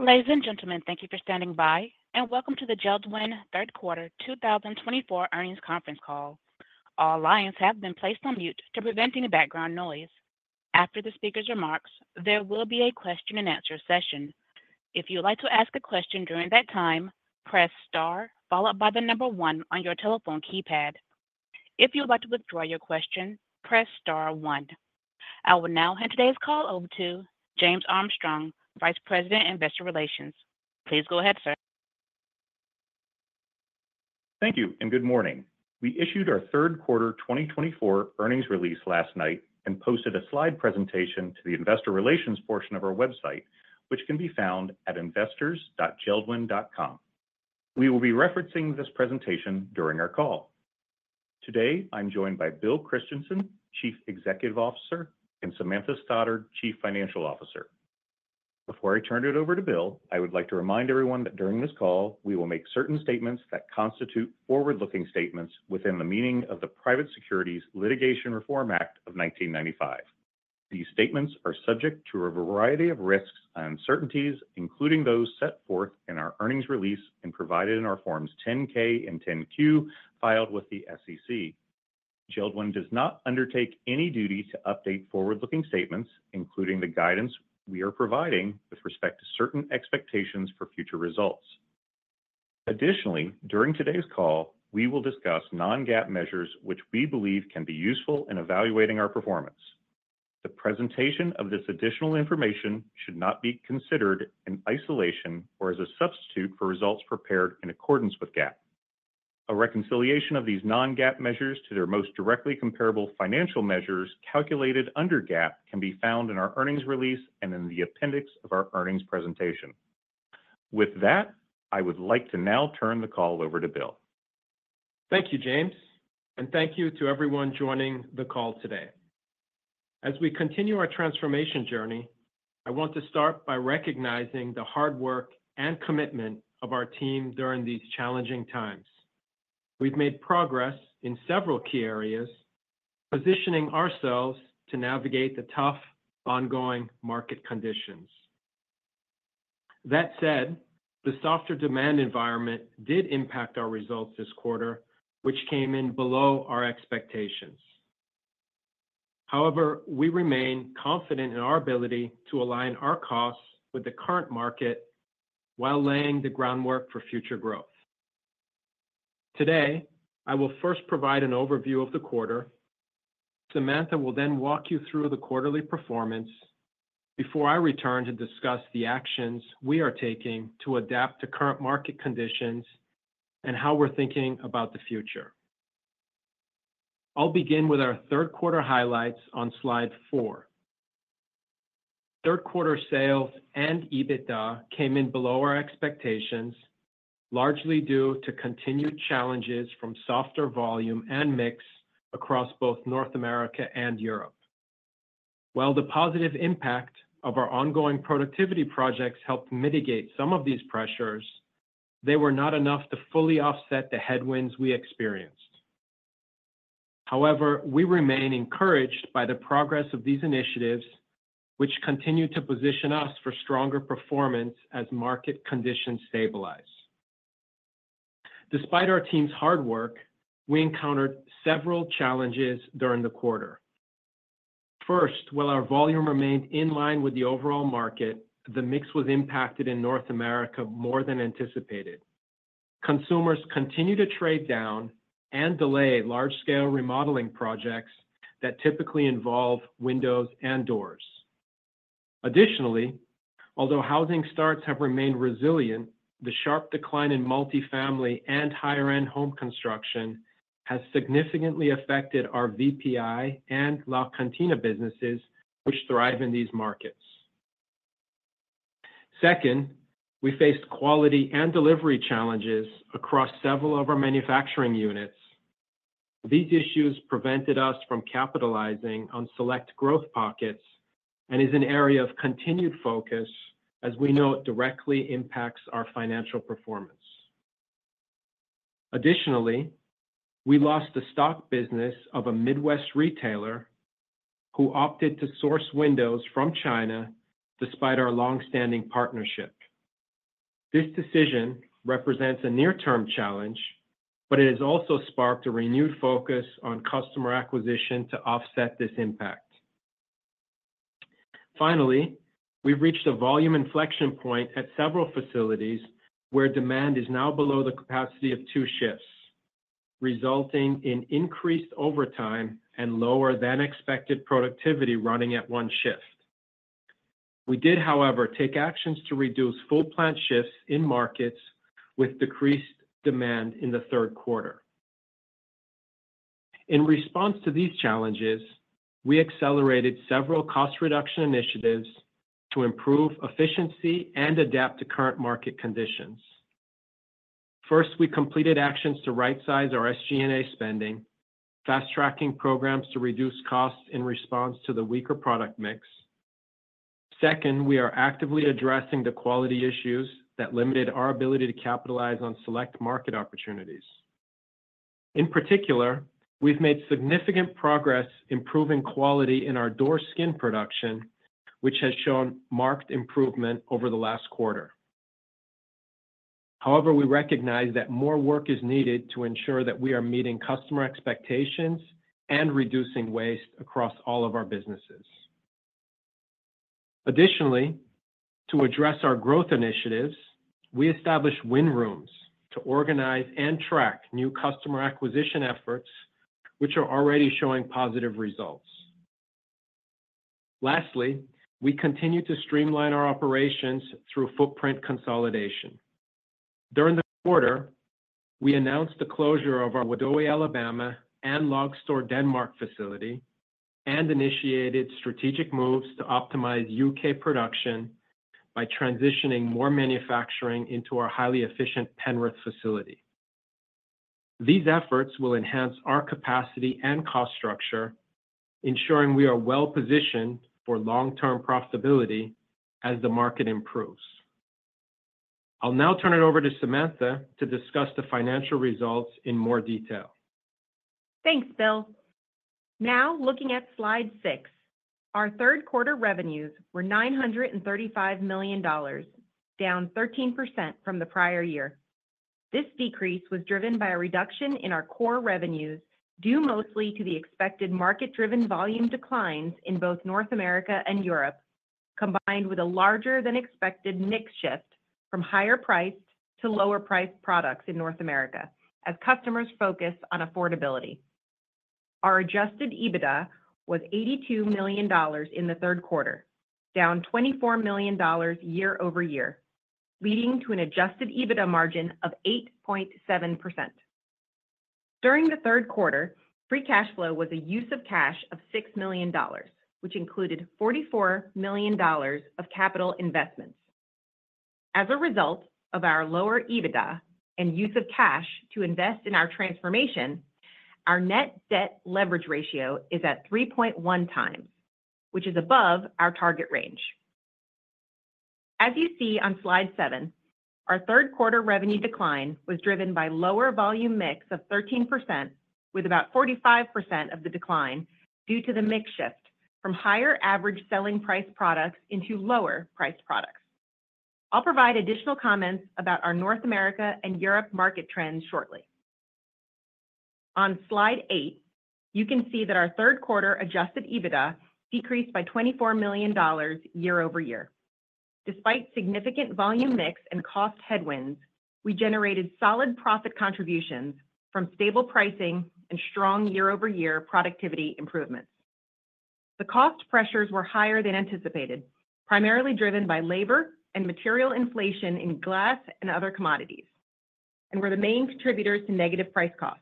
Ladies and gentlemen, thank you for standing by, and welcome to the JELD-WEN third quarter 2024 earnings conference call. All lines have been placed on mute to prevent any background noise. After the speaker's remarks, there will be a question-and-answer session. If you'd like to ask a question during that time, press star, followed by the number one on your telephone keypad. If you'd like to withdraw your question, press star one. I will now hand today's call over to James Armstrong, Vice President, Investor Relations. Please go ahead, sir. Thank you, and good morning. We issued our third quarter 2024 earnings release last night and posted a slide presentation to the Investor Relations portion of our website, which can be found at investors.jeldwen.com. We will be referencing this presentation during our call. Today, I'm joined by Bill Christensen, Chief Executive Officer, and Samantha Stoddard, Chief Financial Officer. Before I turn it over to Bill, I would like to remind everyone that during this call, we will make certain statements that constitute forward-looking statements within the meaning of the Private Securities Litigation Reform Act of 1995. These statements are subject to a variety of risks and uncertainties, including those set forth in our earnings release and provided in our Forms 10-K and 10-Q filed with the SEC. JELD-WEN does not undertake any duty to update forward-looking statements, including the guidance we are providing with respect to certain expectations for future results. Additionally, during today's call, we will discuss non-GAAP measures which we believe can be useful in evaluating our performance. The presentation of this additional information should not be considered in isolation or as a substitute for results prepared in accordance with GAAP. A reconciliation of these non-GAAP measures to their most directly comparable financial measures calculated under GAAP can be found in our earnings release and in the appendix of our earnings presentation. With that, I would like to now turn the call over to Bill. Thank you, James, and thank you to everyone joining the call today. As we continue our transformation journey, I want to start by recognizing the hard work and commitment of our team during these challenging times. We've made progress in several key areas, positioning ourselves to navigate the tough ongoing market conditions. That said, the softer demand environment did impact our results this quarter, which came in below our expectations. However, we remain confident in our ability to align our costs with the current market while laying the groundwork for future growth. Today, I will first provide an overview of the quarter. Samantha will then walk you through the quarterly performance before I return to discuss the actions we are taking to adapt to current market conditions and how we're thinking about the future. I'll begin with our third quarter highlights on slide four. Third quarter sales and EBITDA came in below our expectations, largely due to continued challenges from softer volume and mix across both North America and Europe. While the positive impact of our ongoing productivity projects helped mitigate some of these pressures, they were not enough to fully offset the headwinds we experienced. However, we remain encouraged by the progress of these initiatives, which continue to position us for stronger performance as market conditions stabilize. Despite our team's hard work, we encountered several challenges during the quarter. First, while our volume remained in line with the overall market, the mix was impacted in North America more than anticipated. Consumers continue to trade down and delay large-scale remodeling projects that typically involve windows and doors. Additionally, although housing starts have remained resilient, the sharp decline in multifamily and higher-end home construction has significantly affected our VPI and LaCantina businesses, which thrive in these markets. Second, we faced quality and delivery challenges across several of our manufacturing units. These issues prevented us from capitalizing on select growth pockets and are an area of continued focus, as we know it directly impacts our financial performance. Additionally, we lost the stock business of a Midwest retailer who opted to source windows from China despite our long-standing partnership. This decision represents a near-term challenge, but it has also sparked a renewed focus on customer acquisition to offset this impact. Finally, we've reached a volume inflection point at several facilities where demand is now below the capacity of two shifts, resulting in increased overtime and lower than expected productivity running at one shift. We did, however, take actions to reduce full-plant shifts in markets with decreased demand in the third quarter. In response to these challenges, we accelerated several cost reduction initiatives to improve efficiency and adapt to current market conditions. First, we completed actions to right-size our SG&A spending, fast-tracking programs to reduce costs in response to the weaker product mix. Second, we are actively addressing the quality issues that limited our ability to capitalize on select market opportunities. In particular, we've made significant progress improving quality in our door skin production, which has shown marked improvement over the last quarter. However, we recognize that more work is needed to ensure that we are meeting customer expectations and reducing waste across all of our businesses. Additionally, to address our growth initiatives, we established win rooms to organize and track new customer acquisition efforts, which are already showing positive results. Lastly, we continue to streamline our operations through footprint consolidation. During the quarter, we announced the closure of our Wedowee, Alabama, and Løgstør, Denmark facility and initiated strategic moves to optimize UK production by transitioning more manufacturing into our highly efficient Penrith facility. These efforts will enhance our capacity and cost structure, ensuring we are well-positioned for long-term profitability as the market improves. I'll now turn it over to Samantha to discuss the financial results in more detail. Thanks, Bill. Now, looking at slide six, our third quarter revenues were $935 million, down 13% from the prior year. This decrease was driven by a reduction in our core revenues due mostly to the expected market-driven volume declines in both North America and Europe, combined with a larger-than-expected mix shift from higher-priced to lower-priced products in North America as customers focus on affordability. Our adjusted EBITDA was $82 million in the third quarter, down $24 million year-over-year, leading to an adjusted EBITDA margin of 8.7%. During the third quarter, free cash flow was a use of cash of $6 million, which included $44 million of capital investments. As a result of our lower EBITDA and use of cash to invest in our transformation, our net debt leverage ratio is at 3.1 times, which is above our target range. As you see on slide seven, our third quarter revenue decline was driven by a lower volume mix of 13%, with about 45% of the decline due to the mix shift from higher average selling price products into lower price products. I'll provide additional comments about our North America and Europe market trends shortly. On slide eight, you can see that our third quarter adjusted EBITDA decreased by $24 million year-over-year. Despite significant volume mix and cost headwinds, we generated solid profit contributions from stable pricing and strong year-over-year productivity improvements. The cost pressures were higher than anticipated, primarily driven by labor and material inflation in glass and other commodities, and were the main contributors to negative price cost.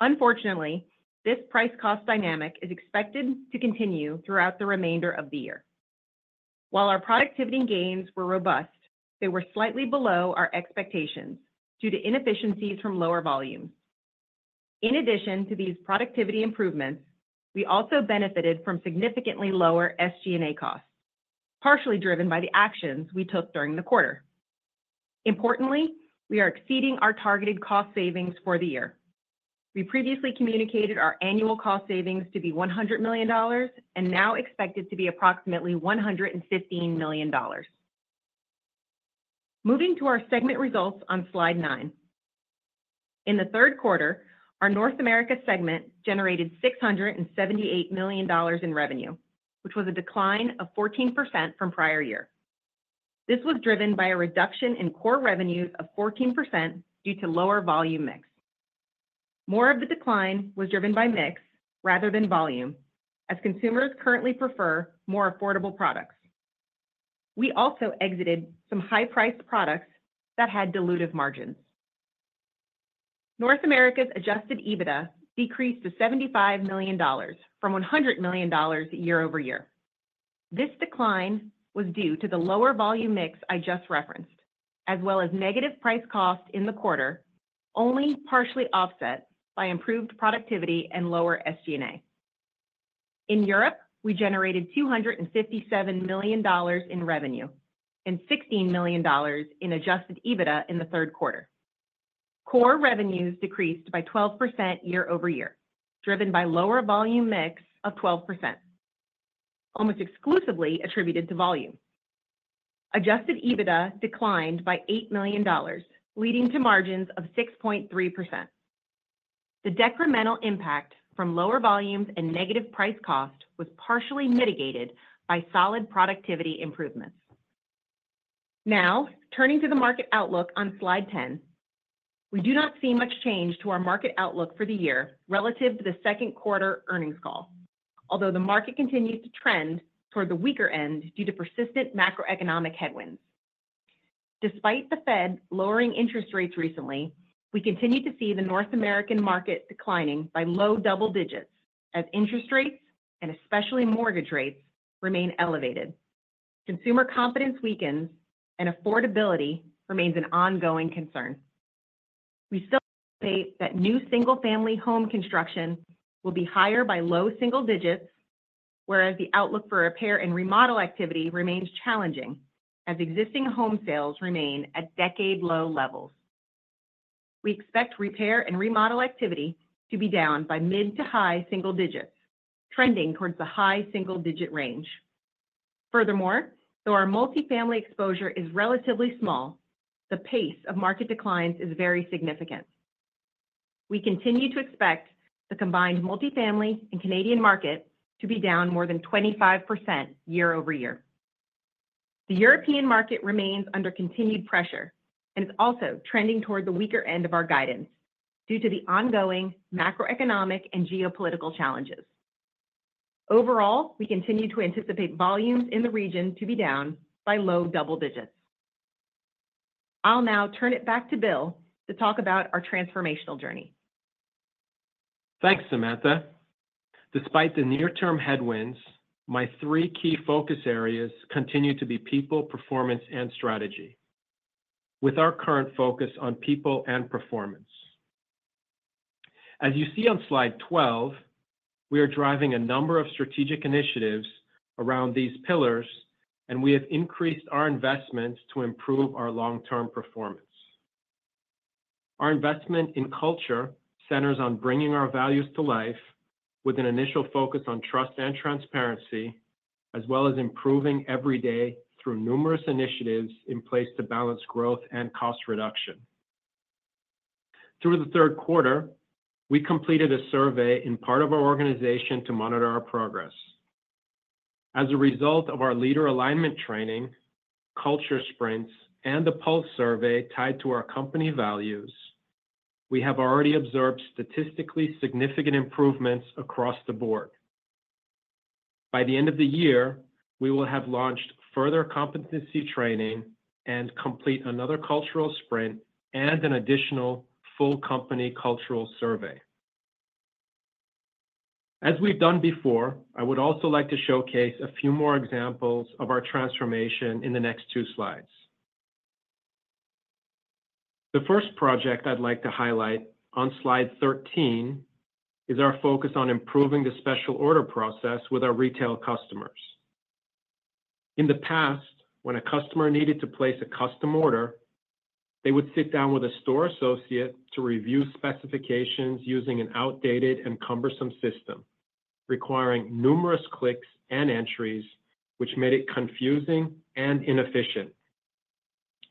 Unfortunately, this price cost dynamic is expected to continue throughout the remainder of the year. While our productivity gains were robust, they were slightly below our expectations due to inefficiencies from lower volumes. In addition to these productivity improvements, we also benefited from significantly lower SG&A costs, partially driven by the actions we took during the quarter. Importantly, we are exceeding our targeted cost savings for the year. We previously communicated our annual cost savings to be $100 million and now expected to be approximately $115 million. Moving to our segment results on slide nine. In the third quarter, our North America segment generated $678 million in revenue, which was a decline of 14% from prior year. This was driven by a reduction in core revenues of 14% due to lower volume mix. More of the decline was driven by mix rather than volume, as consumers currently prefer more affordable products. We also exited some high-priced products that had dilutive margins. North America's adjusted EBITDA decreased to $75 million from $100 million year-over-year. This decline was due to the lower volume mix I just referenced, as well as negative price-cost in the quarter, only partially offset by improved productivity and lower SG&A. In Europe, we generated $257 million in revenue and $16 million in adjusted EBITDA in the third quarter. Core revenues decreased by 12% year-over-year, driven by lower volume mix of 12%, almost exclusively attributed to volume. Adjusted EBITDA declined by $8 million, leading to margins of 6.3%. The decremental impact from lower volumes and negative price-cost was partially mitigated by solid productivity improvements. Now, turning to the market outlook on slide 10, we do not see much change to our market outlook for the year relative to the second quarter earnings call, although the market continues to trend toward the weaker end due to persistent macroeconomic headwinds. Despite the Fed lowering interest rates recently, we continue to see the North American market declining by low double digits as interest rates, and especially mortgage rates, remain elevated. Consumer confidence weakens, and affordability remains an ongoing concern. We still state that new single-family home construction will be higher by low single digits, whereas the outlook for repair and remodel activity remains challenging as existing home sales remain at decade-low levels. We expect repair and remodel activity to be down by mid to high single digits, trending towards the high single-digit range. Furthermore, though our multi-family exposure is relatively small, the pace of market declines is very significant. We continue to expect the combined multi-family and Canadian market to be down more than 25% year-over-year. The European market remains under continued pressure and is also trending toward the weaker end of our guidance due to the ongoing macroeconomic and geopolitical challenges. Overall, we continue to anticipate volumes in the region to be down by low double digits. I'll now turn it back to Bill to talk about our transformational journey. Thanks, Samantha. Despite the near-term headwinds, my three key focus areas continue to be people, performance, and strategy, with our current focus on people and performance. As you see on slide 12, we are driving a number of strategic initiatives around these pillars, and we have increased our investments to improve our long-term performance. Our investment in culture centers on bringing our values to life with an initial focus on trust and transparency, as well as improving every day through numerous initiatives in place to balance growth and cost reduction. Through the third quarter, we completed a survey in part of our organization to monitor our progress. As a result of our leader alignment training, culture sprints, and the pulse survey tied to our company values, we have already observed statistically significant improvements across the board. By the end of the year, we will have launched further competency training and complete another cultural sprint and an additional full company cultural survey. As we've done before, I would also like to showcase a few more examples of our transformation in the next two slides. The first project I'd like to highlight on slide 13 is our focus on improving the special order process with our retail customers. In the past, when a customer needed to place a custom order, they would sit down with a store associate to review specifications using an outdated and cumbersome system requiring numerous clicks and entries, which made it confusing and inefficient.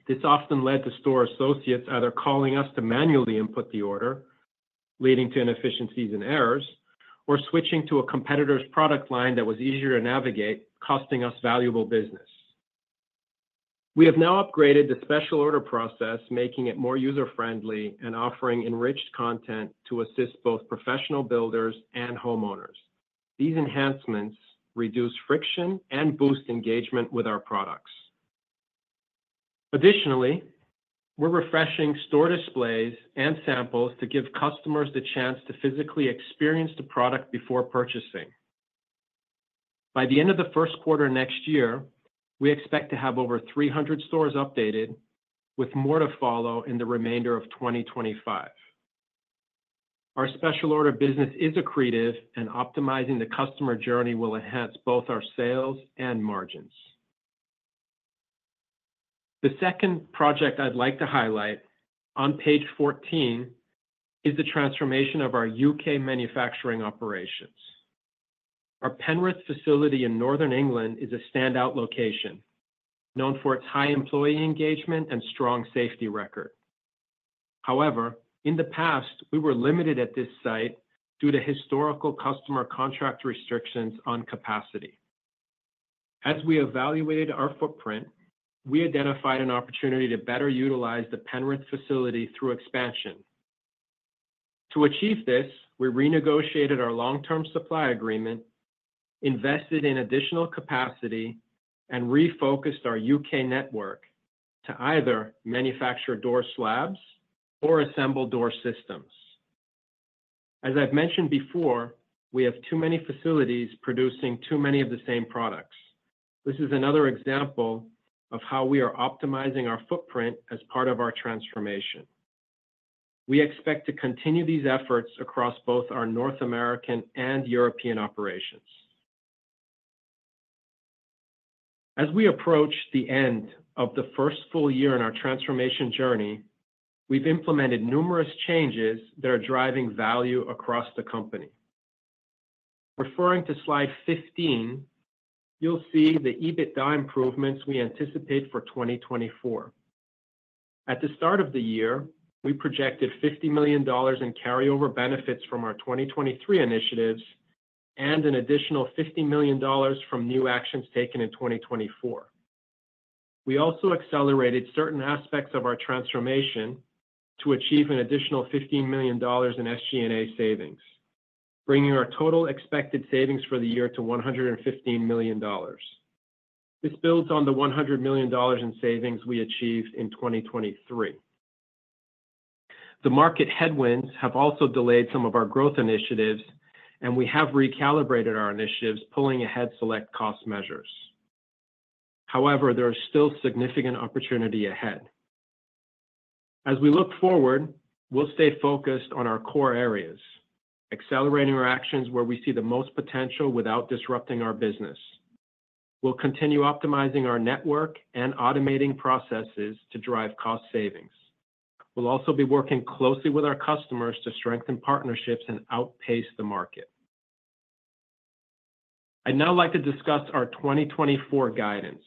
This often led to store associates either calling us to manually input the order, leading to inefficiencies and errors, or switching to a competitor's product line that was easier to navigate, costing us valuable business. We have now upgraded the special order process, making it more user-friendly and offering enriched content to assist both professional builders and homeowners. These enhancements reduce friction and boost engagement with our products. Additionally, we're refreshing store displays and samples to give customers the chance to physically experience the product before purchasing. By the end of the first quarter next year, we expect to have over 300 stores updated, with more to follow in the remainder of 2025. Our special order business is accretive, and optimizing the customer journey will enhance both our sales and margins. The second project I'd like to highlight on page 14 is the transformation of our U.K. manufacturing operations. Our Penrith facility in Northern England is a standout location known for its high employee engagement and strong safety record. However, in the past, we were limited at this site due to historical customer contract restrictions on capacity. As we evaluated our footprint, we identified an opportunity to better utilize the Penrith facility through expansion. To achieve this, we renegotiated our long-term supply agreement, invested in additional capacity, and refocused our U.K. network to either manufacture door slabs or assemble door systems. As I've mentioned before, we have too many facilities producing too many of the same products. This is another example of how we are optimizing our footprint as part of our transformation. We expect to continue these efforts across both our North American and European operations. As we approach the end of the first full year in our transformation journey, we've implemented numerous changes that are driving value across the company. Referring to slide 15, you'll see the EBITDA improvements we anticipate for 2024. At the start of the year, we projected $50 million in carryover benefits from our 2023 initiatives and an additional $50 million from new actions taken in 2024. We also accelerated certain aspects of our transformation to achieve an additional $15 million in SG&A savings, bringing our total expected savings for the year to $115 million. This builds on the $100 million in savings we achieved in 2023. The market headwinds have also delayed some of our growth initiatives, and we have recalibrated our initiatives, pulling ahead select cost measures. However, there is still significant opportunity ahead. As we look forward, we'll stay focused on our core areas, accelerating our actions where we see the most potential without disrupting our business. We'll continue optimizing our network and automating processes to drive cost savings. We'll also be working closely with our customers to strengthen partnerships and outpace the market. I'd now like to discuss our 2024 guidance.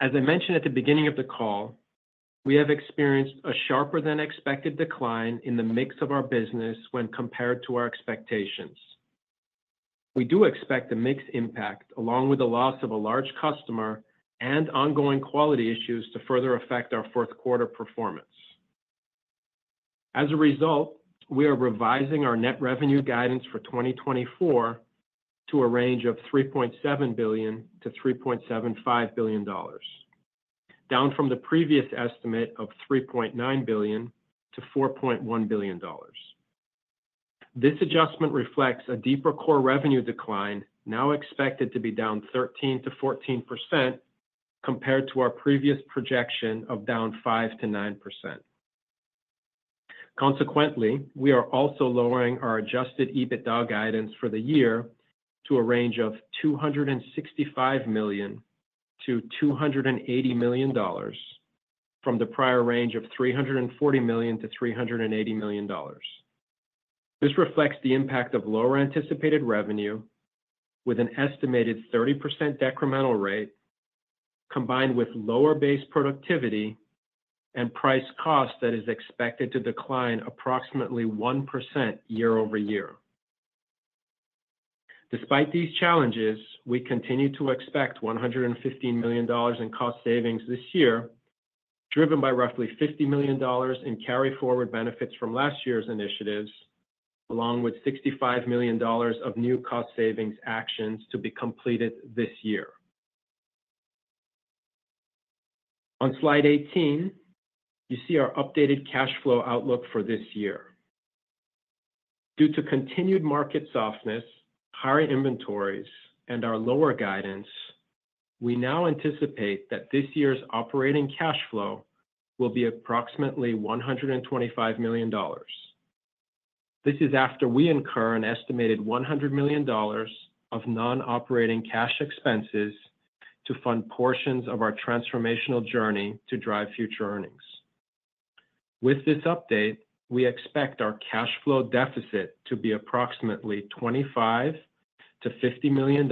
As I mentioned at the beginning of the call, we have experienced a sharper-than-expected decline in the mix of our business when compared to our expectations. We do expect the mixed impact, along with the loss of a large customer and ongoing quality issues, to further affect our fourth quarter performance. As a result, we are revising our net revenue guidance for 2024 to a range of $3.5-3.75 billion, down from the previous estimate of $3.9-4.1 billion. This adjustment reflects a deeper core revenue decline now expected to be down 13%-14 compared to our previous projection of down 5%-9%. Consequently, we are also lowering our adjusted EBITDA guidance for the year to a range of $265 million-$280 million from the prior range of $340-380 million. This reflects the impact of lower anticipated revenue, with an estimated 30% decremental rate, combined with lower base productivity and price-cost that is expected to decline approximately 1% year-over-year. Despite these challenges, we continue to expect $115 million in cost savings this year, driven by roughly $50 million in carry-forward benefits from last year's initiatives, along with $65 million of new cost savings actions to be completed this year. On slide 18, you see our updated cash flow outlook for this year. Due to continued market softness, higher inventories, and our lower guidance, we now anticipate that this year's operating cash flow will be approximately $125 million. This is after we incur an estimated $100 million of non-operating cash expenses to fund portions of our transformational journey to drive future earnings. With this update, we expect our cash flow deficit to be approximately $25-50 million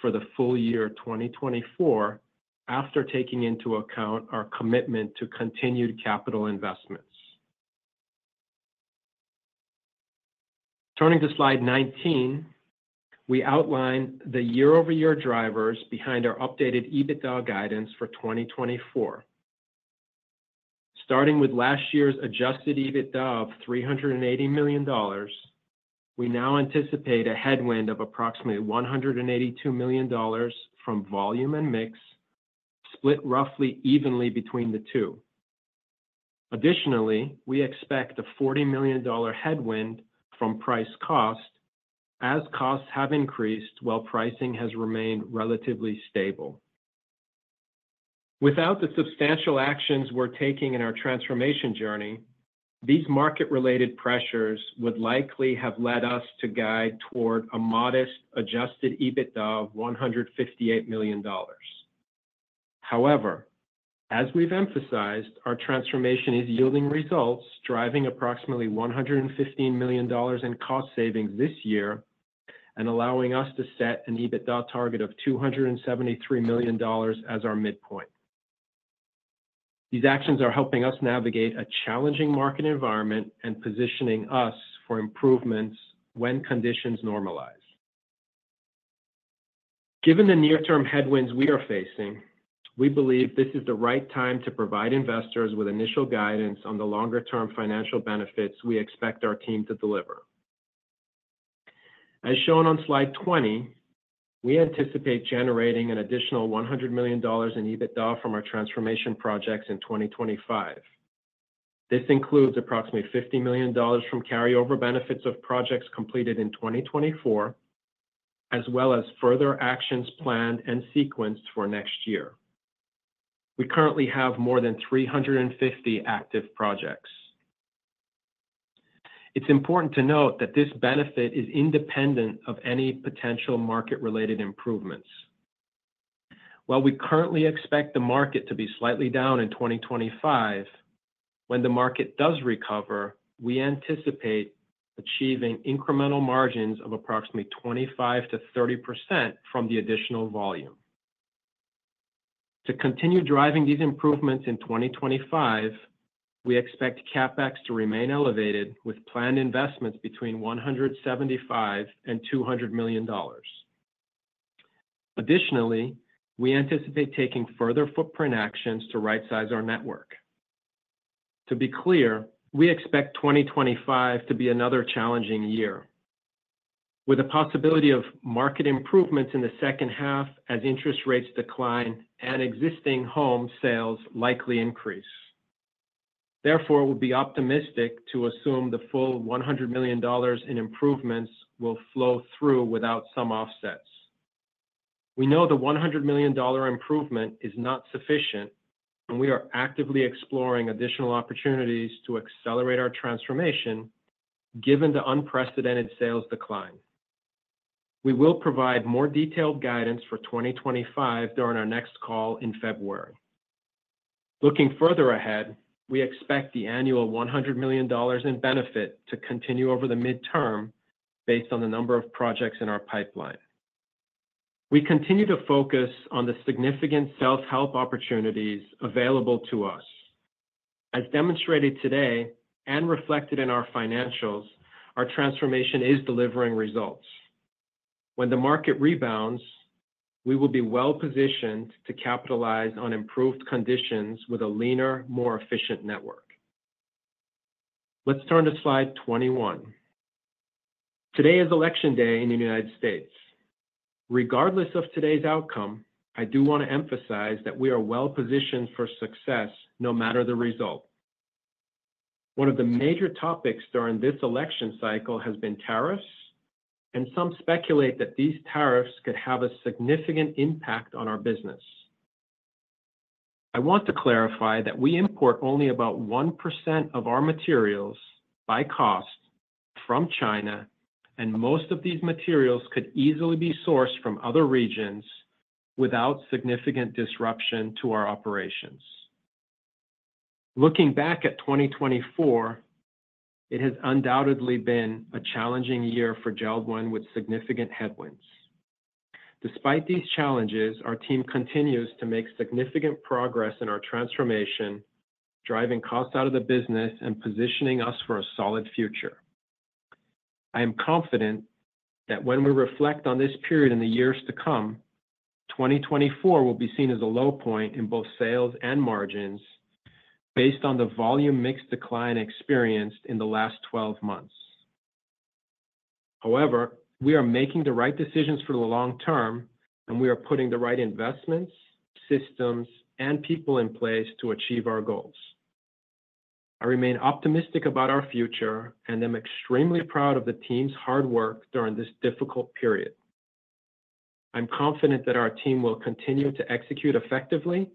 for the full year 2024, after taking into account our commitment to continued capital investments. Turning to slide 19, we outline the year-over-year drivers behind our updated EBITDA guidance for 2024. Starting with last year's adjusted EBITDA of $380 million, we now anticipate a headwind of approximately $182 million from volume and mix, split roughly evenly between the 2. Additionally, we expect a $40 million headwind from price cost, as costs have increased while pricing has remained relatively stable. Without the substantial actions we're taking in our transformation journey, these market-related pressures would likely have led us to guide toward a modest adjusted EBITDA of $158 million. However, as we've emphasized, our transformation is yielding results, driving approximately $115 million in cost savings this year and allowing us to set an EBITDA target of $273 million as our midpoint. These actions are helping us navigate a challenging market environment and positioning us for improvements when conditions normalize. Given the near-term headwinds we are facing, we believe this is the right time to provide investors with initial guidance on the longer-term financial benefits we expect our team to deliver. As shown on slide 20, we anticipate generating an additional $100 million in EBITDA from our transformation projects in 2025. This includes approximately $50 million from carryover benefits of projects completed in 2024, as well as further actions planned and sequenced for next year. We currently have more than 350 active projects. It's important to note that this benefit is independent of any potential market-related improvements. While we currently expect the market to be slightly down in 2025, when the market does recover, we anticipate achieving incremental margins of approximately 25%-30 from the additional volume. To continue driving these improvements in 2025, we expect CapEx to remain elevated, with planned investments between $175 and 200 million. Additionally, we anticipate taking further footprint actions to right-size our network. To be clear, we expect 2025 to be another challenging year, with a possibility of market improvements in the second half as interest rates decline and existing home sales likely increase. Therefore, we'll be optimistic to assume the full $100 million in improvements will flow through without some offsets. We know the $100 million improvement is not sufficient, and we are actively exploring additional opportunities to accelerate our transformation given the unprecedented sales decline. We will provide more detailed guidance for 2025 during our next call in February. Looking further ahead, we expect the annual $100 million in benefit to continue over the midterm based on the number of projects in our pipeline. We continue to focus on the significant self-help opportunities available to us. As demonstrated today and reflected in our financials, our transformation is delivering results. When the market rebounds, we will be well-positioned to capitalize on improved conditions with a leaner, more efficient network. Let's turn to slide 21. Today is Election Day in the United States. Regardless of today's outcome, I do want to emphasize that we are well-positioned for success no matter the result. One of the major topics during this election cycle has been tariffs, and some speculate that these tariffs could have a significant impact on our business. I want to clarify that we import only about 1% of our materials by cost from China, and most of these materials could easily be sourced from other regions without significant disruption to our operations. Looking back at 2024, it has undoubtedly been a challenging year for JELD-WEN with significant headwinds. Despite these challenges, our team continues to make significant progress in our transformation, driving costs out of the business and positioning us for a solid future. I am confident that when we reflect on this period in the years to come, 2024 will be seen as a low point in both sales and margins based on the volume mix decline experienced in the last 12 months. However, we are making the right decisions for the long term, and we are putting the right investments, systems, and people in place to achieve our goals. I remain optimistic about our future and am extremely proud of the team's hard work during this difficult period. I'm confident that our team will continue to execute effectively,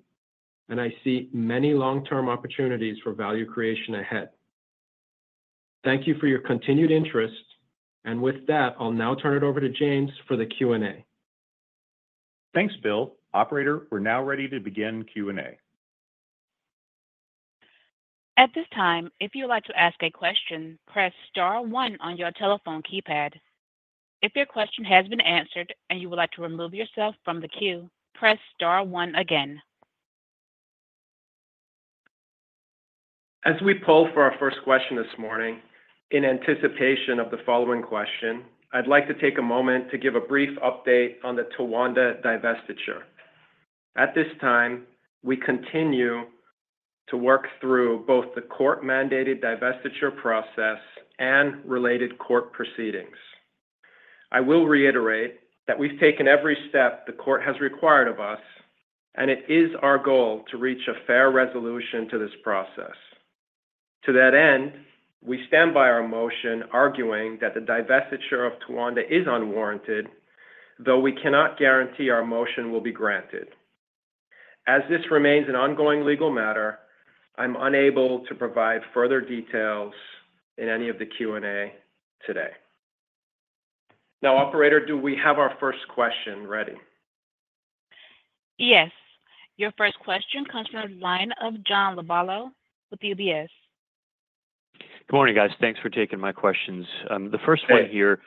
and I see many long-term opportunities for value creation ahead. Thank you for your continued interest, and with that, I'll now turn it over to James for the Q&A. Thanks, Bill. Operator, we're now ready to begin Q&A. At this time, if you would like to ask a question, press Star one on your telephone keypad. If your question has been answered and you would like to remove yourself from the queue, press Star one again. As we poll for our first question this morning, in anticipation of the following question, I'd like to take a moment to give a brief update on the Towanda divestiture. At this time, we continue to work through both the court-mandated divestiture process and related court proceedings. I will reiterate that we've taken every step the court has required of us, and it is our goal to reach a fair resolution to this process. To that end, we stand by our motion arguing that the divestiture of Towanda is unwarranted, though we cannot guarantee our motion will be granted. As this remains an ongoing legal matter, I'm unable to provide further details in any of the Q&A today. Now, Operator, do we have our first question ready? Yes. Your first question comes from the line of John Lovallo with UBS. Good morning, guys. Thanks for taking my questions. The first one here.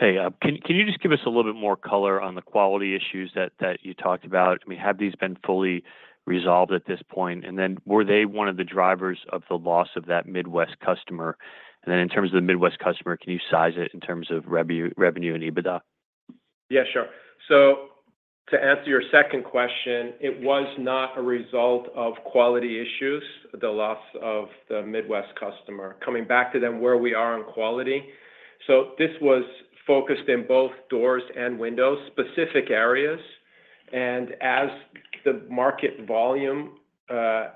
Hey, can you just give us a little bit more color on the quality issues that you talked about? I mean, have these been fully resolved at this point? And then, were there one of the drivers of the loss of that Midwest customer? And then, in terms of the Midwest customer, can you size it in terms of revenue and EBITDA? Yeah, sure. So, to answer your second question, it was not a result of quality issues, the loss of the Midwest customer. Coming back to then, where we are on quality. So, this was focused in both doors and windows, specific areas. And as the market volume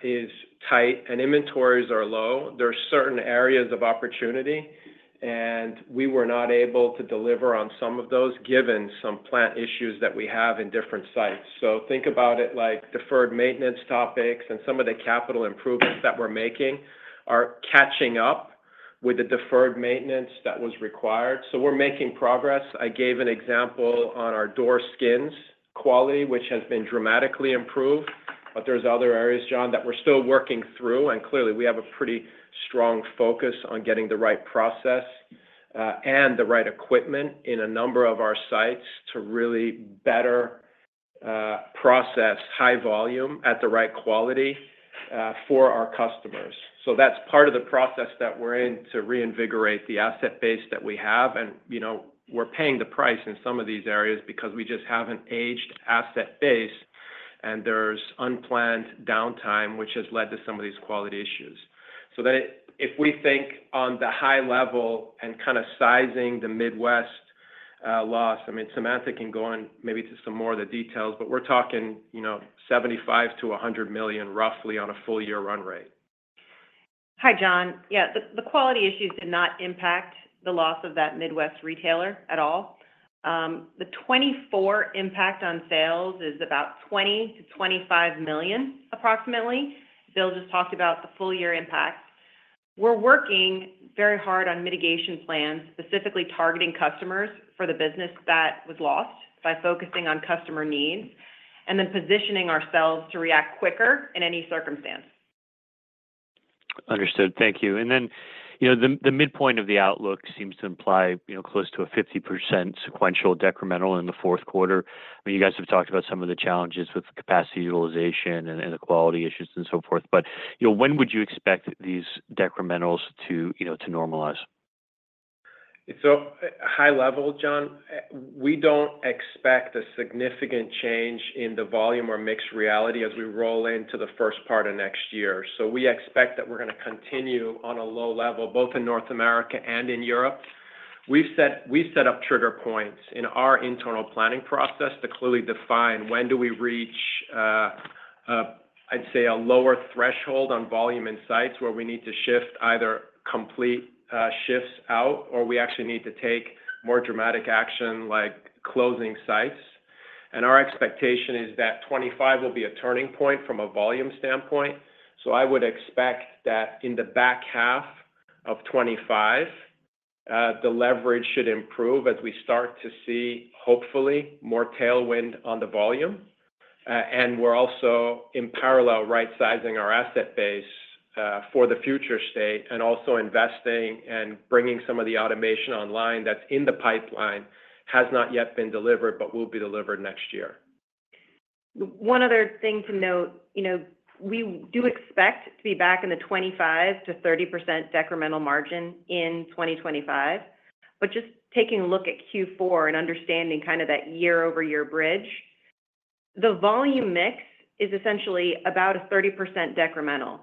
is tight and inventories are low, there are certain areas of opportunity, and we were not able to deliver on some of those given some plant issues that we have in different sites. So, think about it like deferred maintenance topics, and some of the capital improvements that we're making are catching up with the deferred maintenance that was required. We're making progress. I gave an example on our door skins quality, which has been dramatically improved, but there's other areas, John, that we're still working through. Clearly, we have a pretty strong focus on getting the right process and the right equipment in a number of our sites to really better process high volume at the right quality for our customers. That's part of the process that we're in to reinvigorate the asset base that we have. We're paying the price in some of these areas because we just have an aged asset base, and there's unplanned downtime, which has led to some of these quality issues. So, if we think on the high level and kind of sizing the Midwest loss, I mean, Samantha can go on maybe to some more of the details, but we're talking $75-100 million, roughly, on a full-year run rate. Hi, John. Yeah, the quality issues did not impact the loss of that Midwest retailer at all. The 2024 impact on sales is about $20-25 million, approximately. Bill just talked about the full-year impact. We're working very hard on mitigation plans, specifically targeting customers for the business that was lost by focusing on customer needs and then positioning ourselves to react quicker in any circumstance. Understood. Thank you. And then, the midpoint of the outlook seems to imply close to a 50% sequential decremental in the fourth quarter. I mean, you guys have talked about some of the challenges with capacity utilization and the quality issues and so forth, but when would you expect these decrementals to normalize? So, high level, John, we don't expect a significant change in the volume or mix, really as we roll into the first part of next year, so we expect that we're going to continue on a low level, both in North America and in Europe. We've set up trigger points in our internal planning process to clearly define when do we reach, I'd say, a lower threshold on volume in sites where we need to shift either complete shifts out or we actually need to take more dramatic action like closing sites, and our expectation is that 2025 will be a turning point from a volume standpoint. I would expect that in the back half of 2025, the leverage should improve as we start to see, hopefully, more tailwind on the volume. And we're also, in parallel, right-sizing our asset base for the future state and also investing and bringing some of the automation online that's in the pipeline has not yet been delivered but will be delivered next year. One other thing to note, we do expect to be back in the 25%-30 decremental margin in 2025, but just taking a look at Q4 and understanding kind of that year-over-year bridge, the volume mix is essentially about a 30% decremental.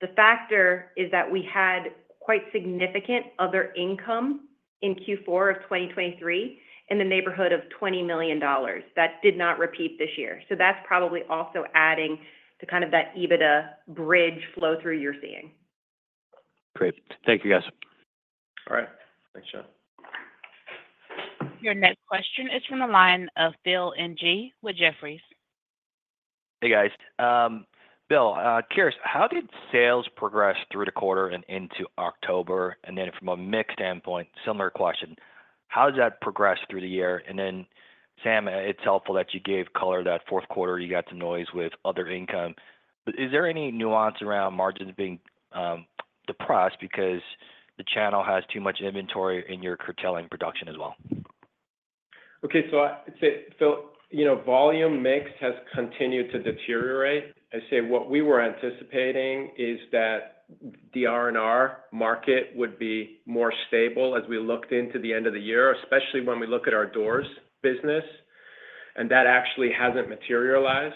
The factor is that we had quite significant other income in Q4 of 2023 in the neighborhood of $20 million that did not repeat this year. So, that's probably also adding to kind of that EBITDA bridge flow through you're seeing. Great. Thank you, guys. All right. Thanks, John. Your next question is from the line of Phil Ng with Jefferies. Hey, guys. Bill, first, how did sales progress through the quarter and into October? And then, from a mix standpoint, similar question, how did that progress through the year? And then, Sam, it's helpful that you gave color that fourth quarter you got some noise with other income. Is there any nuance around margins being depressed because the channel has too much inventory in your curtailing production as well? Okay. So, I'd say, Phil, volume mix has continued to deteriorate. I'd say what we were anticipating is that the R&R market would be more stable as we looked into the end of the year, especially when we look at our doors business, and that actually hasn't materialized.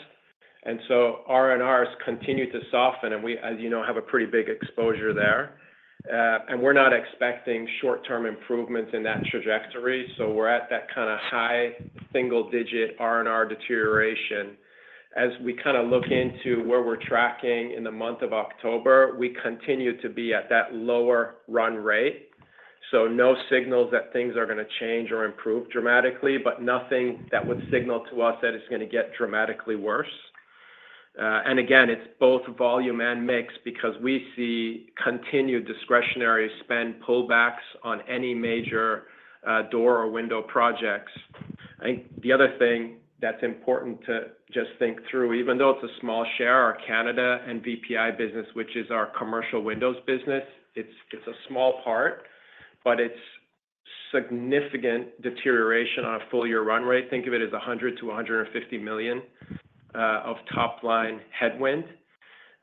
And so, R&R has continued to soften, and we, as you know, have a pretty big exposure there. And we're not expecting short-term improvements in that trajectory. So, we're at that kind of high single-digit R&R deterioration. As we kind of look into where we're tracking in the month of October, we continue to be at that lower run rate. So, no signals that things are going to change or improve dramatically, but nothing that would signal to us that it's going to get dramatically worse. And again, it's both volume and mix because we see continued discretionary spend pullbacks on any major door or window projects. I think the other thing that's important to just think through, even though it's a small share, our Canada and VPI business, which is our commercial windows business, it's a small part, but it's significant deterioration on a full-year run rate. Think of it as $100-150 million of top-line headwind,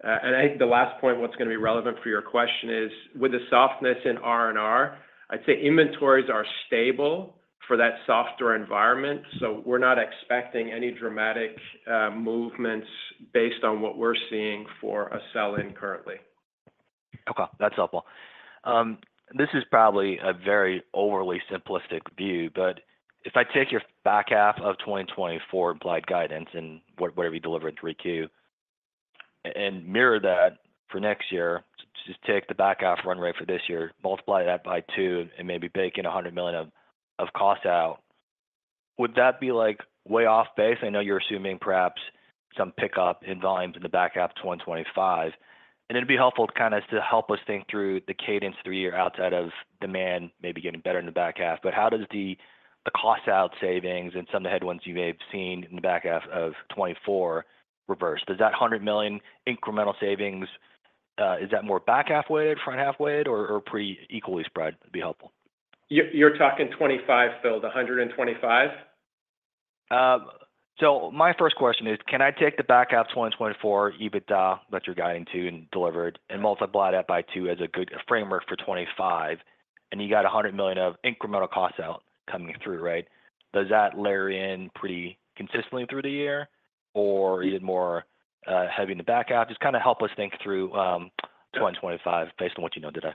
and I think the last point, what's going to be relevant for your question is, with the softness in R&R, I'd say inventories are stable for that softer environment. So, we're not expecting any dramatic movements based on what we're seeing for a sell-in currently. Okay. That's helpful. This is probably a very overly simplistic view, but if I take your back half of 2024 implied guidance and whatever you deliver in 3Q and mirror that for next year, just take the back half run rate for this year, multiply that by two, and maybe bake in $100 million of cost out, would that be way off base? I know you're assuming perhaps some pickup in volumes in the back 1/2 of 2025. And it'd be helpful to kind of help us think through the cadence through the year outside of demand, maybe getting better in the back half. But how does the cost-out savings and some of the headwinds you may have seen in the back half of 2024 reverse? Does that $100 million incremental savings, is that more back half-weighted, front half-weighted, or pretty equally spread? It'd be helpful. You're talking 2025, Phil, the 125? So, my first question is, can I take the back half 2024 EBITDA that you're guiding to and deliver it and multiply that by two as a good framework for 2025, and you got $100 million of incremental cost-out coming through, right? Does that layer in pretty consistently through the year or even more heavy in the back 1//2? Just kind of help us think through 2025 based on what you know today.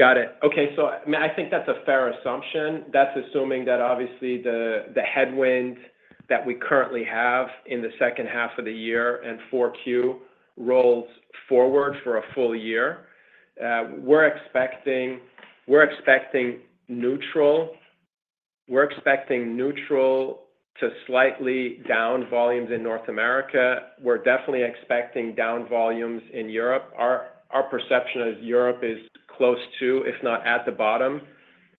Got it. Okay. So, I mean, I think that's a fair assumption. That's assuming that, obviously, the headwind that we currently have in the second half of the year and Q4 rolls forward for a full year. We're expecting neutral. We're expecting neutral to slightly down volumes in North America. We're definitely expecting down volumes in Europe. Our perception is Europe is close to, if not at the bottom,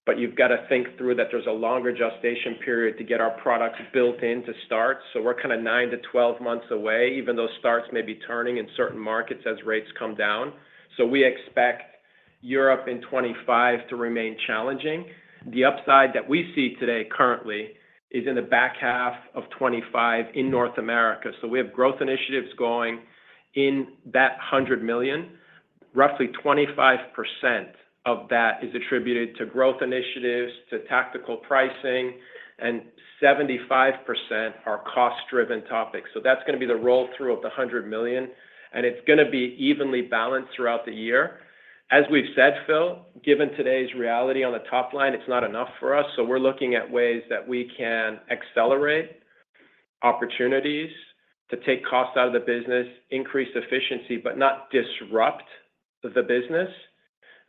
but you've got to think through that there's a longer gestation period to get our products built in to start. So, we're kind of 9-12 months way, even though starts may be turning in certain markets as rates come down. So, we expect Europe in 2025 to remain challenging. The upside that we see today currently is in the back 1/2 of 2025 in North America. So, we have growth initiatives going in that $100 million. Roughly 25% of that is attributed to growth initiatives, to tactical pricing, and 75% are cost-driven topics. So, that's going to be the roll-through of the $100 million, and it's going to be evenly balanced throughout the year. As we've said, Phil, given today's reality on the top line, it's not enough for us. So, we're looking at ways that we can accelerate opportunities to take costs out of the business, increase efficiency, but not disrupt the business.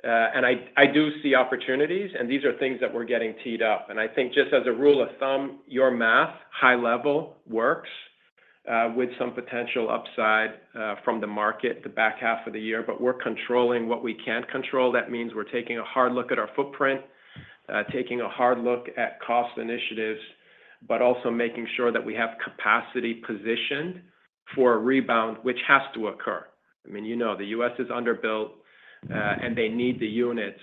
And I do see opportunities, and these are things that we're getting teed up. And I think just as a rule of thumb, your math, high level, works with some potential upside from the market the back half of the year, but we're controlling what we can't control. That means we're taking a hard look at our footprint, taking a hard look at cost initiatives, but also making sure that we have capacity positioned for a rebound, which has to occur. I mean, you know the U.S. is underbuilt, and they need the units.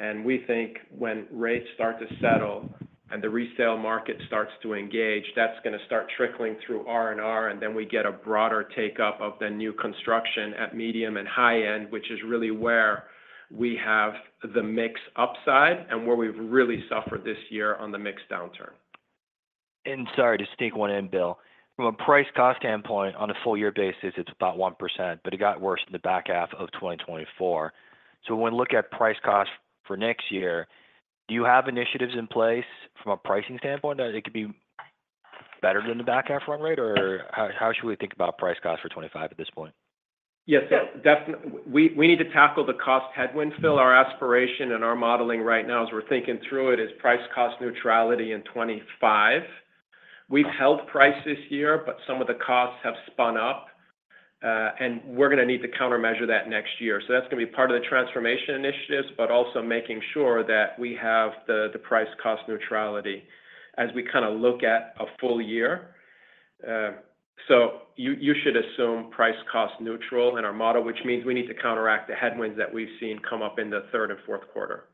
And we think when rates start to settle and the resale market starts to engage, that's going to start trickling through R&R, and then we get a broader take-up of the new construction at medium and high end, which is really where we have the mix upside and where we've really suffered this year on the mixed downturn. And sorry to sneak one in, Bill. From a price-cost standpoint, on a full-year basis, it's about 1%, but it got worse in the back half of 2024. So, when we look at price-cost for next year, do you have initiatives in place from a pricing standpoint that it could be better than the back half run rate, or how should we think about price-cost for 2025 at this point? Yeah. So, we need to tackle the cost headwind, Phil. Our aspiration and our modeling right now, as we're thinking through it, is price-cost neutrality in 2025. We've held price this year, but some of the costs have spun up, and we're going to need to countermeasure that next year. So, that's going to be part of the transformation initiatives, but also making sure that we have the price-cost neutrality as we kind of look at a full year. So, you should assume price-cost neutral in our model, which means we need to counteract the headwinds that we've seen come up in the third and fourth quarter.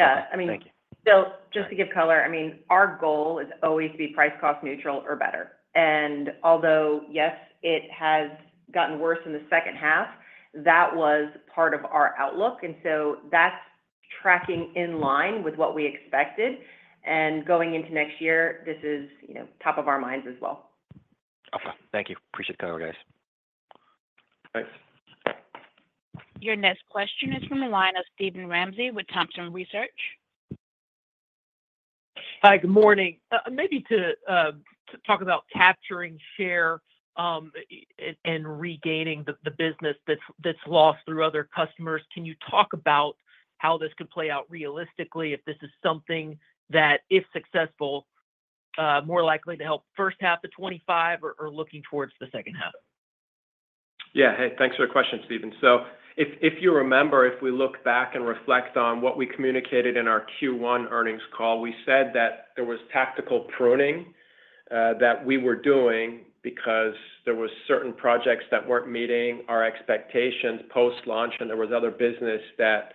I mean, Phil, just to give color, I mean, our goal is always to be price-cost neutral or better. And although, yes, it has gotten worse in the second half, that was part of our outlook. And so, that's tracking in line with what we expected. And going into next year, this is top of our minds as well. Okay. Thank you. Appreciate the color, guys. Thanks. Your next question is from the line of Steven Ramsey with Thompson Research. Hi. Good morning. Maybe to talk about capturing share and regaining the business that's lost through other customers, can you talk about how this could play out realistically if this is something that, if successful, more likely to help first half of 2025 or looking towards the second half? Yeah. Hey, thanks for the question, Steven. So, if you remember, if we look back and reflect on what we communicated in our Q1 earnings call, we said that there was tactical pruning that we were doing because there were certain projects that weren't meeting our expectations post-launch, and there was other business that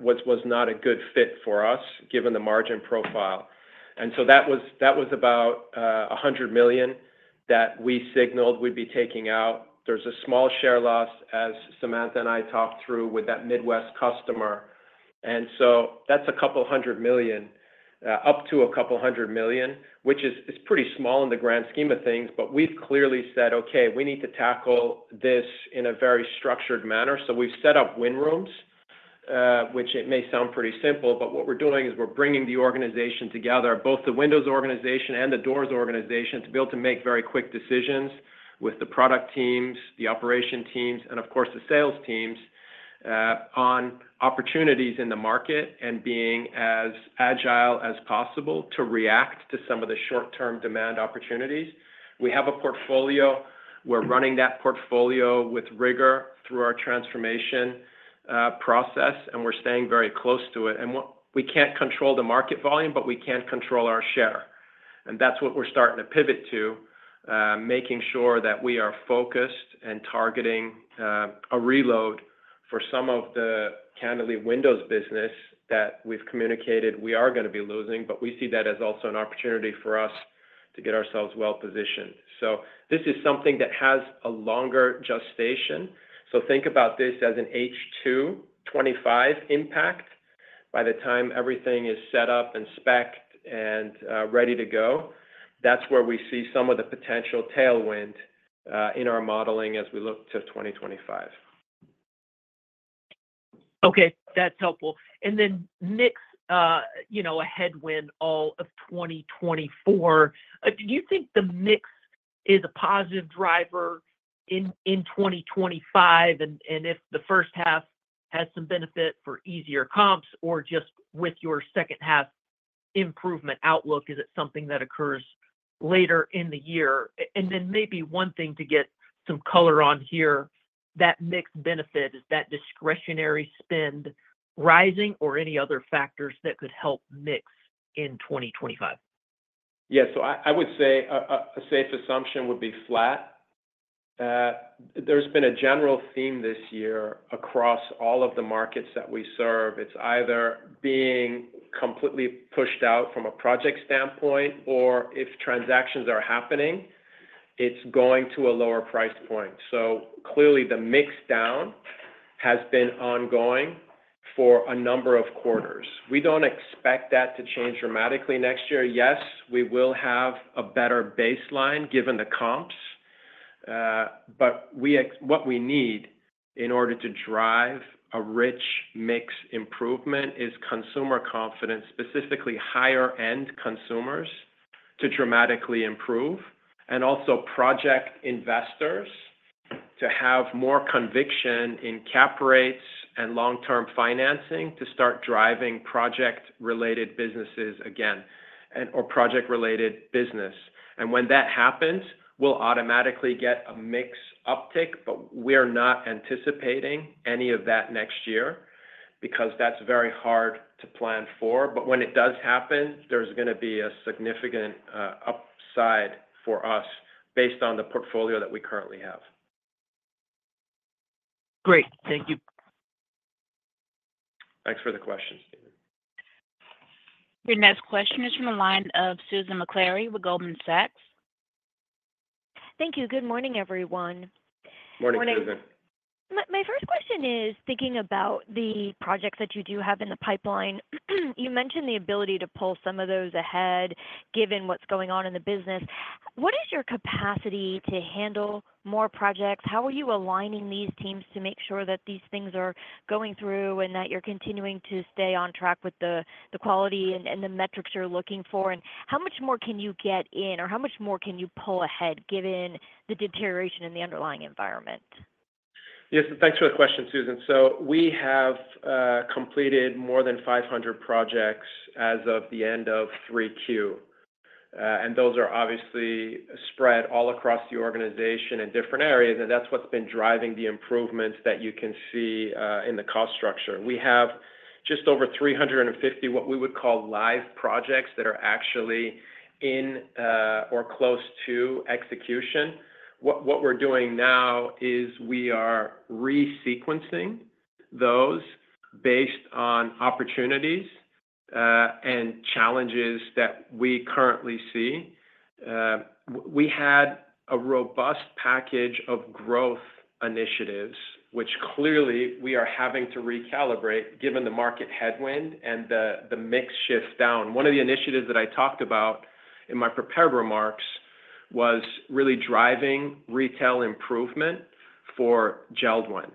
was not a good fit for us given the margin profile, and so, that was about $100 million that we signaled we'd be taking out. There's a small share loss, as Samantha and I talked through with that Midwest customer. That's a couple hundred million up to a couple hundred million, which is pretty small in the grand scheme of things, but we've clearly said, "Okay, we need to tackle this in a very structured manner." We've set up Win rooms, which it may sound pretty simple, but what we're doing is we're bringing the organization together, both the Windows organization and the Doors organization, to be able to make very quick decisions with the product teams, the operation teams, and of course, the sales teams on opportunities in the market and being as agile as possible to react to some of the short-term demand opportunities. We have a portfolio. We're running that portfolio with rigor through our transformation process, and we're staying very close to it. We can't control the market volume, but we can control our share. That's what we're starting to pivot to, making sure that we are focused and targeting a reload for some of the Cannon Lee Windows business that we've communicated we are going to be losing, but we see that as also an opportunity for us to get ourselves well-positioned. So, this is something that has a longer gestation. So, think about this as an H2 2025 impact. By the time everything is set up and specced and ready to go, that's where we see some of the potential tailwind in our modeling as we look to 2025. Okay. That's helpful. And then, mix as a headwind all of 2024. Do you think the mix is a positive driver in 2025? And if the first half has some benefit for easier comps or just with your second half improvement outlook, is it something that occurs later in the year? And then maybe one thing to get some color on here, that mixed benefit, is that discretionary spend rising or any other factors that could help mix in 2025? Yeah. So, I would say a safe assumption would be flat. There's been a general theme this year across all of the markets that we serve. It's either being completely pushed out from a project standpoint, or if transactions are happening, it's going to a lower price point. So, clearly, the mixdown has been ongoing for a number of quarters. We don't expect that to change dramatically next year. Yes, we will have a better baseline given the comps, but what we need in order to drive a rich mix improvement is consumer confidence, specifically higher-end consumers to dramatically improve, and also project investors to have more conviction in cap rates and long-term financing to start driving project-related businesses again or project-related business. And when that happens, we'll automatically get a mix uptick, but we're not anticipating any of that next year because that's very hard to plan for. But when it does happen, there's going to be a significant upside for us based on the portfolio that we currently have. Great. Thank you. Thanks for the question, Steven. Your next question is from the line of Susan Maklari with Goldman Sachs. Thank you. Good morning, everyone. Morning, Susan. My first question is, thinking about the projects that you do have in the pipeline, you mentioned the ability to pull some of those ahead given what's going on in the business. What is your capacity to handle more projects? How are you aligning these teams to make sure that these things are going through and that you're continuing to stay on track with the quality and the metrics you're looking for? And how much more can you get in, or how much more can you pull ahead given the deterioration in the underlying environment? Yes. Thanks for the question, Susan. So, we have completed more than 500 projects as of the end of Q3, and those are obviously spread all across the organization in different areas, and that's what's been driving the improvements that you can see in the cost structure. We have just over 350, what we would call live projects that are actually in or close to execution. What we're doing now is we are resequencing those based on opportunities and challenges that we currently see. We had a robust package of growth initiatives, which clearly we are having to recalibrate given the market headwind and the mix shift down. One of the initiatives that I talked about in my prepared remarks was really driving retail improvement for JELD-WEN.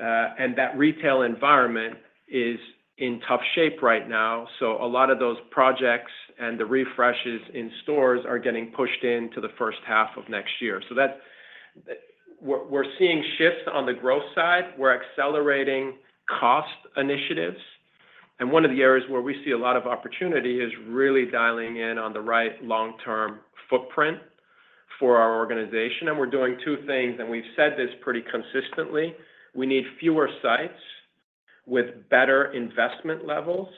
And that retail environment is in tough shape right now. So, a lot of those projects and the refreshes in stores are getting pushed into the first half of next year. So, we're seeing shifts on the growth side. We're accelerating cost initiatives. And one of the areas where we see a lot of opportunity is really dialing in on the right long-term footprint for our organization. And we're doing 2 things, and we've said this pretty consistently. We need fewer sites with better investment levels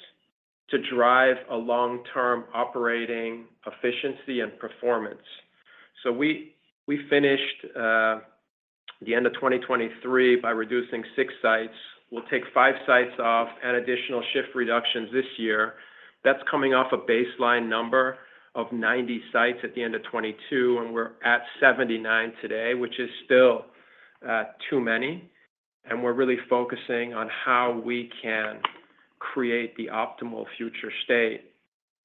to drive a long-term operating efficiency and performance. So, we finished the end of 2023 by reducing 6 sites. We'll take 5 sites off and additional shift reductions this year. That's coming off a baseline number of 90 sites at the end of 2022, and we're at 79 today, which is still too many. And we're really focusing on how we can create the optimal future state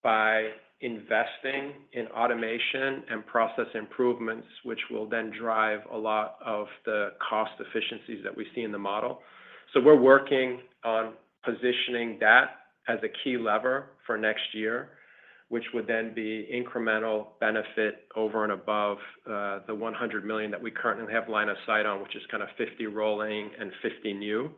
by investing in automation and process improvements, which will then drive a lot of the cost efficiencies that we see in the model. So, we're working on positioning that as a key lever for next year, which would then be incremental benefit over and above the $100 million that we currently have line of sight on, which is kind of $50 rolling and $50 new.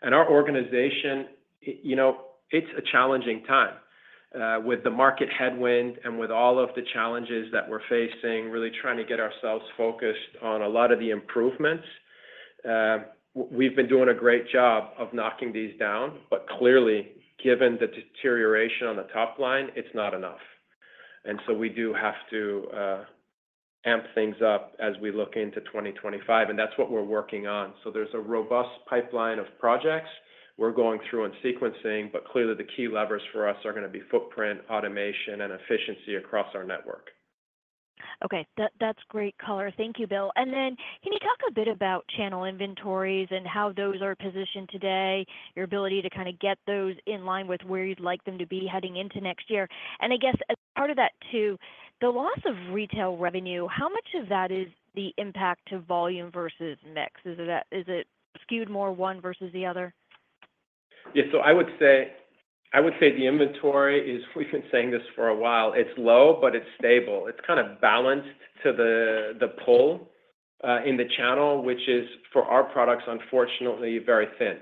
And our organization, it's a challenging time. With the market headwind and with all of the challenges that we're facing, really trying to get ourselves focused on a lot of the improvements, we've been doing a great job of knocking these down, but clearly, given the deterioration on the top line, it's not enough. And so, we do have to amp things up as we look into 2025, and that's what we're working on. So, there's a robust pipeline of projects we're going through and sequencing, but clearly, the key levers for us are going to be footprint, automation, and efficiency across our network. Okay. That's great color. Thank you, Bill. And then, can you talk a bit about channel inventories and how those are positioned today, your ability to kind of get those in line with where you'd like them to be heading into next year? And I guess part of that too, the loss of retail revenue, how much of that is the impact to volume versus mix? Is it skewed more one versus the other? Yeah. So, I would say the inventory is, we've been saying this for a while, it's low, but it's stable. It's kind of balanced to the pull in the channel, which is, for our products, unfortunately, very thin.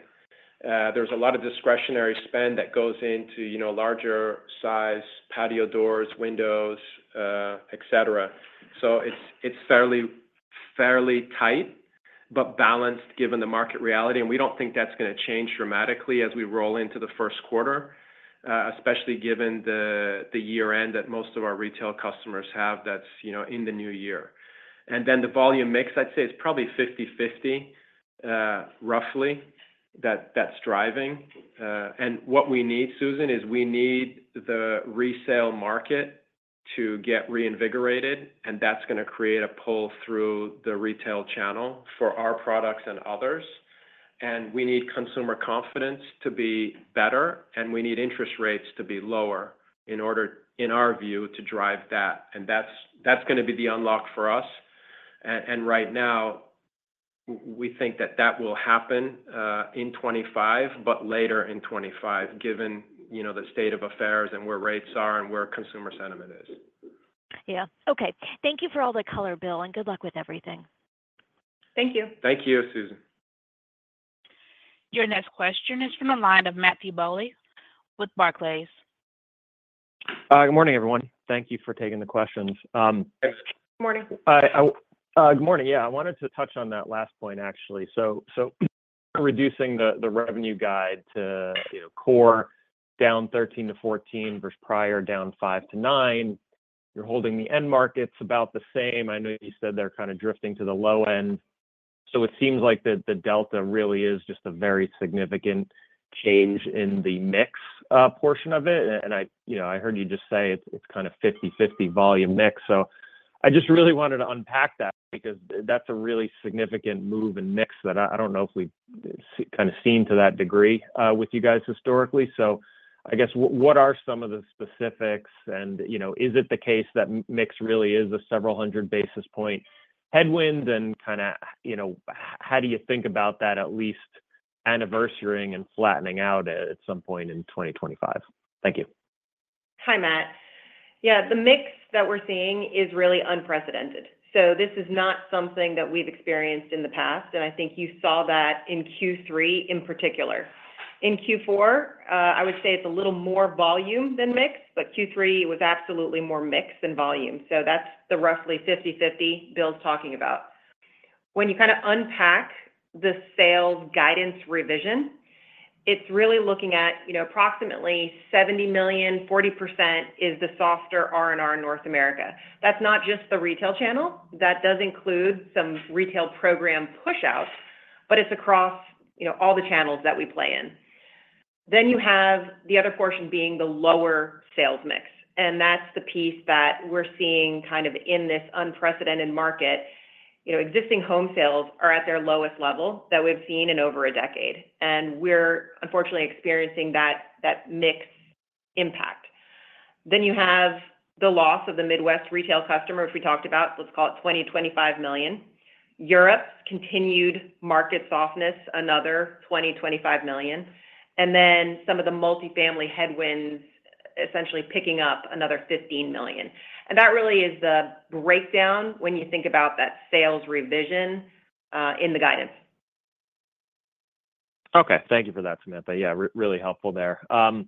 There's a lot of discretionary spend that goes into larger-size patio doors, windows, etc. So, it's fairly tight but balanced given the market reality. And we don't think that's going to change dramatically as we roll into the first quarter, especially given the year-end that most of our retail customers have that's in the new year. And then the volume mix, I'd say it's probably 50/50, roughly, that's driving. And what we need, Susan, is we need the resale market to get reinvigorated, and that's going to create a pull-through the retail channel for our products and others. And we need consumer confidence to be better, and we need interest rates to be lower in our view to drive that. And that's going to be the unlock for us. And right now, we think that that will happen in 2025, but later in 2025, given the state of affairs and where rates are and where consumer sentiment is. Yeah. Okay. Thank you for all the color, Bill, and good luck with everything. Thank you. Thank you, Susan. Your next question is from the line of Matthew Bouley with Barclays. Good morning, everyone. Thank you for taking the questions. Good morning. Good morning. Yeah. I wanted to touch on that last point, actually. Reducing the revenue guide to core down 13%-14 versus prior down 5%-9. You're holding the end markets about the same. I know you said they're kind of drifting to the low end. It seems like the delta really is just a very significant change in the mix portion of it. I heard you just say it's kind of 50/50 volume mix. I just really wanted to unpack that because that's a really significant move and mix that I don't know if we've kind of seen to that degree with you guys historically. What are some of the specifics? Is it the case that mix really is a several hundred basis point headwind? And kind of how do you think about that, at least anniversarying and flattening out at some point in 2025? Thank you. Hi, Matt. Yeah. The mix that we're seeing is really unprecedented. So, this is not something that we've experienced in the past, and I think you saw that in Q3 in particular. In Q4, I would say it's a little more volume than mix, but Q3 was absolutely more mix than volume. So, that's the roughly 50/50 Bill's talking about. When you kind of unpack the sales guidance revision, it's really looking at approximately $70 million, 40% is the softer R&R North America. That's not just the retail channel. That does include some retail program push-outs, but it's across all the channels that we play in. Then you have the other portion being the lower sales mix. And that's the piece that we're seeing kind of in this unprecedented market. Existing home sales are at their lowest level that we've seen in over a decade, and we're unfortunately experiencing that mix impact. Then you have the loss of the Midwest retail customer, which we talked about. Let's call it $20-25 million. Europe's continued market softness, another $20-25 million. And then some of the multi-family headwinds essentially picking up another $15 million. And that really is the breakdown when you think about that sales revision in the guidance. Okay. Thank you for that, Samantha. Yeah, really helpful there. And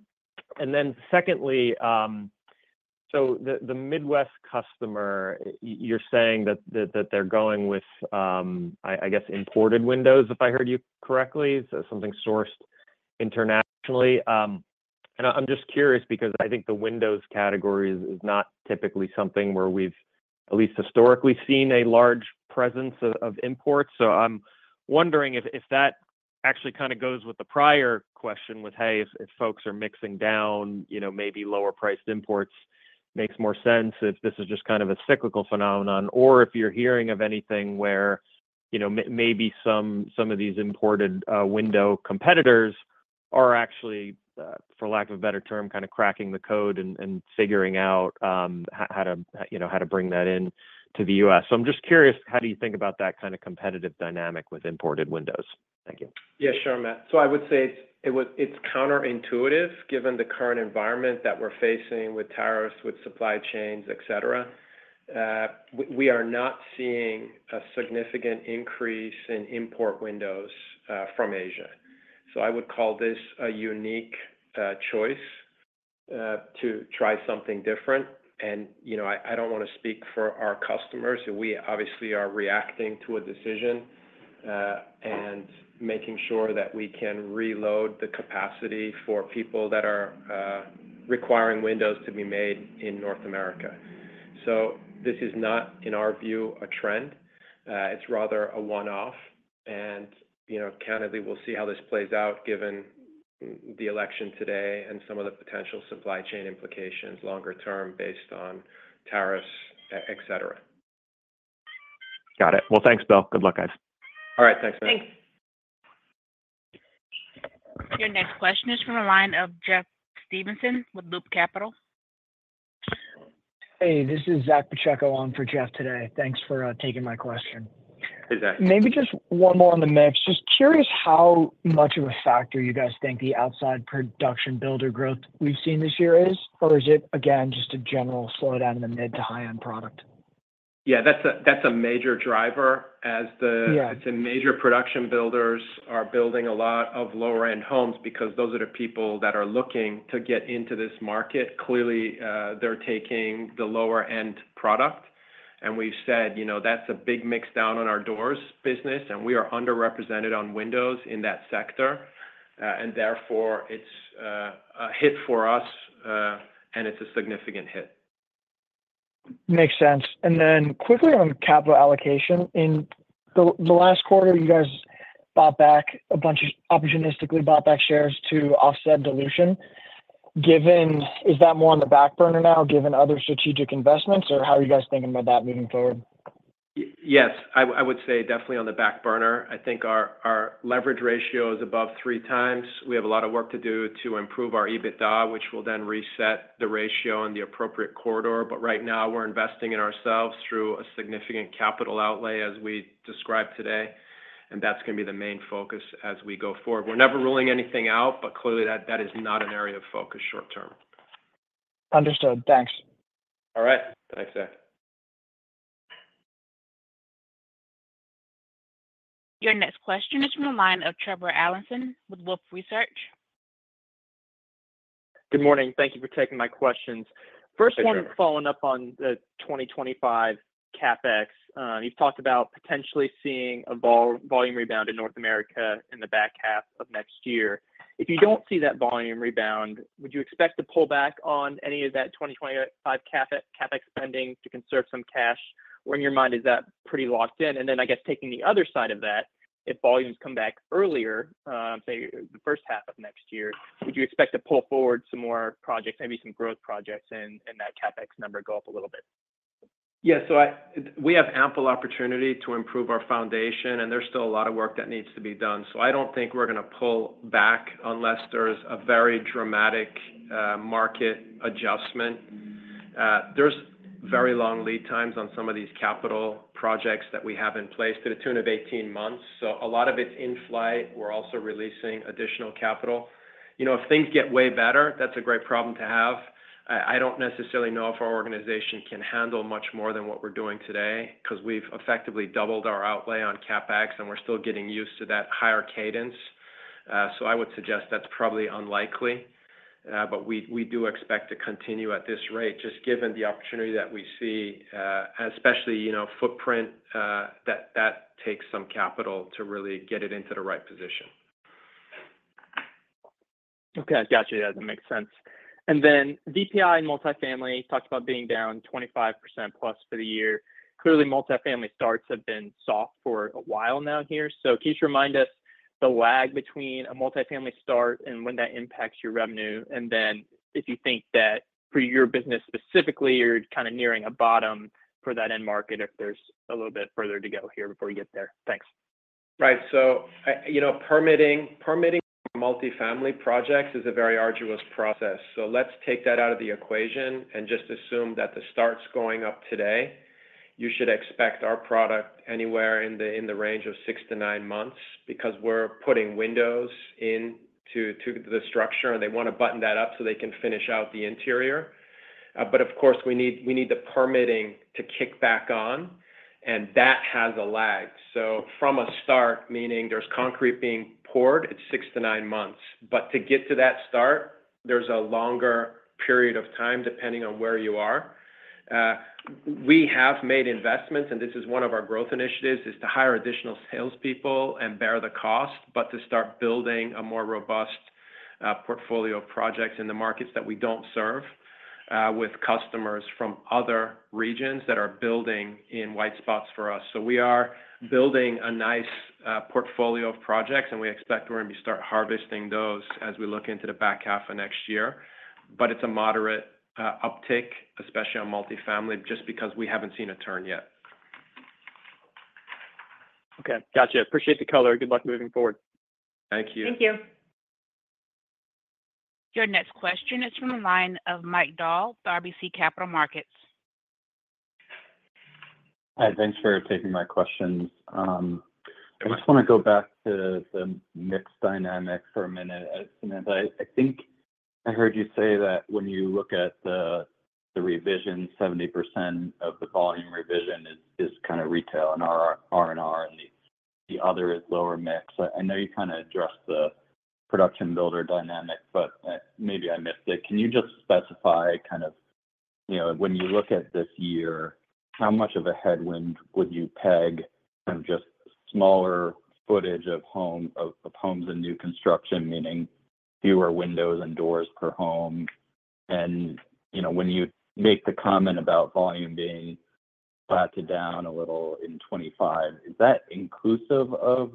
then secondly, so the Midwest customer, you're saying that they're going with, I guess, imported windows, if I heard you correctly, something sourced internationally. And I'm just curious because I think the windows category is not typically something where we've at least historically seen a large presence of imports. So, I'm wondering if that actually kind of goes with the prior question with, hey, if folks are mixing down, maybe lower-priced imports makes more sense if this is just kind of a cyclical phenomenon, or if you're hearing of anything where maybe some of these imported window competitors are actually, for lack of a better term, kind of cracking the code and figuring out how to bring that into the U.S. So, I'm just curious, how do you think about that kind of competitive dynamic with imported windows? Thank you. Yeah, sure, Matt. So, I would say it's counterintuitive given the current environment that we're facing with tariffs, with supply chains, etc. We are not seeing a significant increase in import windows from Asia. So, I would call this a unique choice to try something different. And I don't want to speak for our customers. We obviously are reacting to a decision and making sure that we can reload the capacity for people that are requiring windows to be made in North America. So, this is not, in our view, a trend. It's rather a one-off. And candidly, we'll see how this plays out given the election today and some of the potential supply chain implications longer term based on tariffs, etc. Got it. Well, thanks, Bill. Good luck, guys. All right. Thanks, Matt. Thanks. Your next question is from the line of Jeff Stevenson with Loop Capital. Hey, this is Zach Pacheco on for Jeff today. Thanks for taking my question. Hey, Zach. Maybe just one more on the mix. Just curious how much of a factor you guys think the outsized production builder growth we've seen this year is, or is it, again, just a general slowdown in the mid- to high-end product? Yeah, that's a major driver as the major production builders are building a lot of lower-end homes because those are the people that are looking to get into this market. Clearly, they're taking the lower-end product. And we've said that's a big mix down on our doors business, and we are underrepresented on windows in that sector. And therefore, it's a hit for us, and it's a significant hit. Makes sense. And then quickly on capital allocation, in the last quarter, you guys bought back a bunch of opportunistically bought back shares to offset dilution. Is that more on the back burner now given other strategic investments, or how are you guys thinking about that moving forward? Yes, I would say definitely on the back burner. I think our leverage ratio is above three times. We have a lot of work to do to improve our EBITDA, which will then reset the ratio in the appropriate corridor. But right now, we're investing in ourselves through a significant capital outlay as we described today. And that's going to be the main focus as we go forward. We're never ruling anything out, but clearly, that is not an area of focus short term. Understood. Thanks. All right. Thanks, Zach. Your next question is from the line of Trevor Allinson with Wolfe Research. Good morning. Thank you for taking my questions. First, following up on the 2025 CapEx, you've talked about potentially seeing a volume rebound in North America in the back 1/2 of next year. If you don't see that volume rebound, would you expect to pull back on any of that 2025 CapEx spending to conserve some cash? Or in your mind, is that pretty locked in? And then, I guess, taking the other side of that, if volumes come back earlier, say the first 1/2 of next year, would you expect to pull forward some more projects, maybe some growth projects, and that CapEx number go up a little bit? Yeah. So, we have ample opportunity to improve our foundation, and there's still a lot of work that needs to be done. So, I don't think we're going to pull back unless there's a very dramatic market adjustment. There's very long lead times on some of these capital projects that we have in place to the tune of 18 months. So, a lot of it's in flight. We're also releasing additional capital. If things get way better, that's a great problem to have. I don't necessarily know if our organization can handle much more than what we're doing today because we've effectively doubled our outlay on CapEx, and we're still getting used to that higher cadence. So, I would suggest that's probably unlikely, but we do expect to continue at this rate, just given the opportunity that we see, especially footprint that takes some capital to really get it into the right position. Okay. Gotcha. Yeah, that makes sense. And then VPI and multifamily talked about being down 25% plus for the year. Clearly, multifamily starts have been soft for a while now here. So, can you just remind us the lag between a multi-family start and when that impacts your revenue? And then if you think that for your business specifically, you're kind of nearing a bottom for that end market if there's a little bit further to go here before you get there. Thanks. Right. So, permitting multi-family projects is a very arduous process. So, let's take that out of the equation and just assume that the start's going up today. You should expect our product anywhere in the range of six to nine months because we're putting windows into the structure, and they want to button that up so they can finish out the interior. But of course, we need the permitting to kick back on, and that has a lag. So, from a start, meaning there's concrete being poured, it's 6-9 months. But to get to that start, there's a longer period of time depending on where you are. We have made investments, and this is one of our growth initiatives, is to hire additional salespeople and bear the cost, but to start building a more robust portfolio of projects in the markets that we don't serve with customers from other regions that are building in white spots for us. So, we are building a nice portfolio of projects, and we expect we're going to be start harvesting those as we look into the back 1/2 of next year. But it's a moderate uptake, especially on multi-family, just because we haven't seen a turn yet. Okay. Gotcha. Appreciate the color. Good luck moving forward. Thank you. Thank you. Your next question is from the line of Mike Dahl with RBC Capital Markets. Hi. Thanks for taking my questions. I just want to go back to the mix dynamic for a minute. Samantha, I think I heard you say that when you look at the revision, 70% of the volume revision is kind of retail and R&R, and the other is lower mix. I know you kind of addressed the production builder dynamic, but maybe I missed it. Can you just specify kind of when you look at this year, how much of a headwind would you peg kind of just smaller footage of homes and new construction, meaning fewer windows and doors per home? And when you make the comment about volume being batted down a little in 2025, is that inclusive of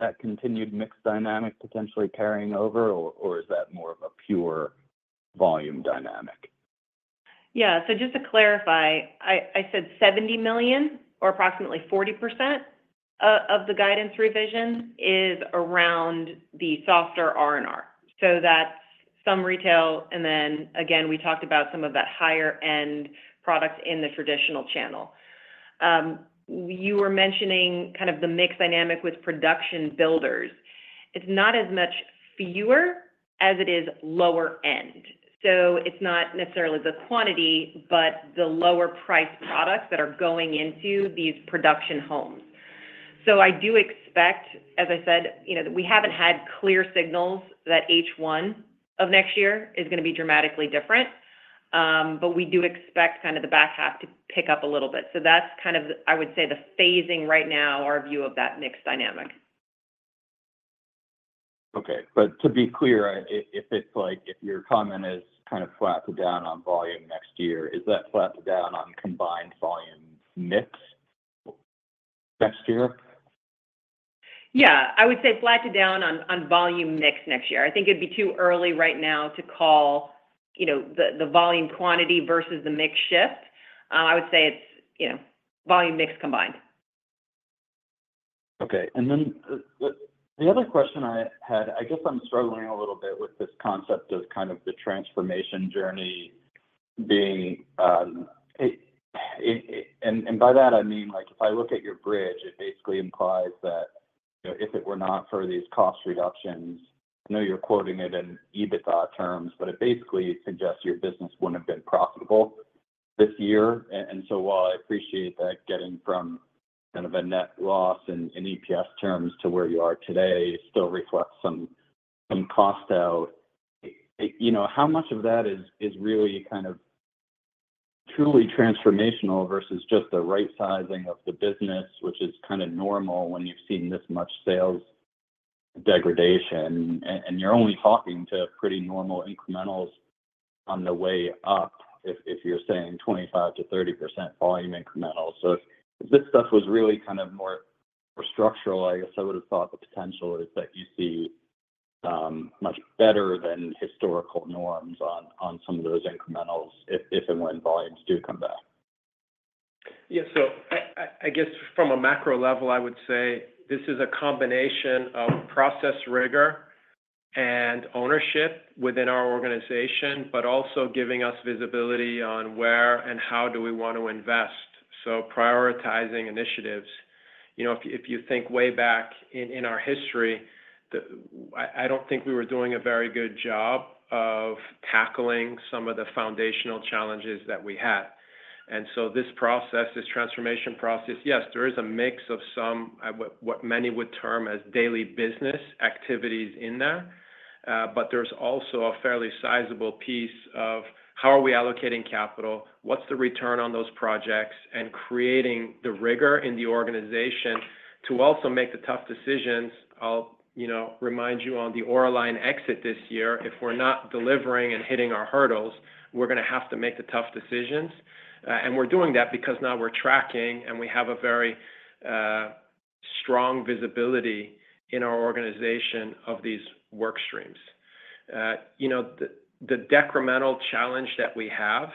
that continued mix dynamic potentially carrying over, or is that more of a pure volume dynamic? Yeah. Just to clarify, I said $70 million or approximately 40% of the guidance revision is around the softer R&R. That's some retail. And then, again, we talked about some of that higher-end product in the traditional channel. You were mentioning kind of the mix dynamic with production builders. It's not as much fewer as it is lower-end. So, it's not necessarily the quantity, but the lower-priced products that are going into these production homes. So, I do expect, as I said, that we haven't had clear signals that H1 of next year is going to be dramatically different. But we do expect kind of the back half to pick up a little bit. So, that's kind of, I would say, the phasing right now, our view of that mix dynamic. Okay. But to be clear, if your comment is kind of flattened down on volume next year, is that flattened down on combined volume mix next year? Yeah. I would say flattened down on volume mix next year. I think it'd be too early right now to call the volume quantity versus the mix shift. I would say it's volume mix combined. Okay. And then the other question I had, I guess I'm struggling a little bit with this concept of kind of the transformation journey being—and by that, I mean, if I look at your bridge, it basically implies that if it were not for these cost reductions, I know you're quoting it in EBITDA terms, but it basically suggests your business wouldn't have been profitable this year. And so, while I appreciate that getting from kind of a net loss in EPS terms to where you are today still reflects some cost out, how much of that is really kind of truly transformational versus just the right-sizing of the business, which is kind of normal when you've seen this much sales degradation, and you're only talking to pretty normal incrementals on the way up if you're saying 25%-30 volume incrementals? So, if this stuff was really kind of more structural, I guess I would have thought the potential is that you see much better than historical norms on some of those incrementals if and when volumes do come back. Yeah. So, I guess from a macro level, I would say this is a combination of process rigor and ownership within our organization, but also giving us visibility on where and how do we want to invest. So, prioritizing initiatives. If you think way back in our history, I don't think we were doing a very good job of tackling some of the foundational challenges that we had. And so, this process, this transformation process, yes, there is a mix of some what many would term as daily business activities in there, but there's also a fairly sizable piece of how are we allocating capital, what's the return on those projects, and creating the rigor in the organization to also make the tough decisions. I'll remind you on the Auraline exit this year. If we're not delivering and hitting our hurdles, we're going to have to make the tough decisions. We're doing that because now we're tracking and we have a very strong visibility in our organization of these work streams. The decremental challenge that we have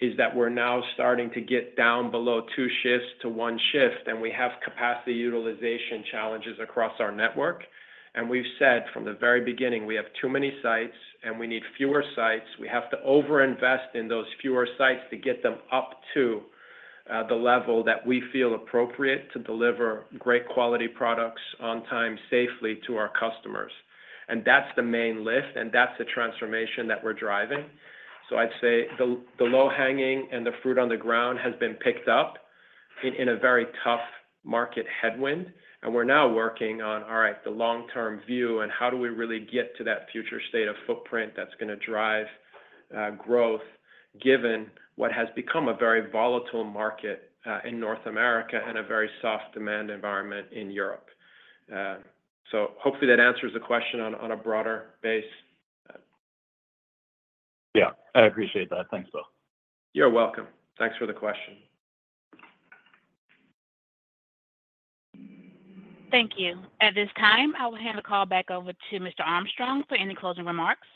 is that we're now starting to get down below two shifts to one shift, and we have capacity utilization challenges across our network. We've said from the very beginning, we have too many sites and we need fewer sites. We have to overinvest in those fewer sites to get them up to the level that we feel appropriate to deliver great quality products on time safely to our customers. That's the main lift, and that's the transformation that we're driving. I'd say the low-hanging fruit on the ground has been picked up in a very tough market headwind. We're now working on, all right, the long-term view and how do we really get to that future state of footprint that's going to drive growth given what has become a very volatile market in North America and a very soft demand environment in Europe. So, hopefully, that answers the question on a broader base. Yeah. I appreciate that. Thanks, Bill. You're welcome. Thanks for the question. Thank you. At this time, I will hand the call back over to Mr. Armstrong for any closing remarks.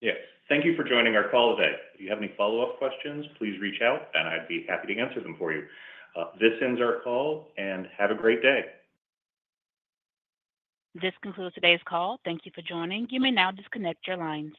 Yes. Thank you for joining our call today. If you have any follow-up questions, please reach out, and I'd be happy to answer them for you. This ends our call, and have a great day. This concludes today's call. Thank you for joining. You may now disconnect your lines.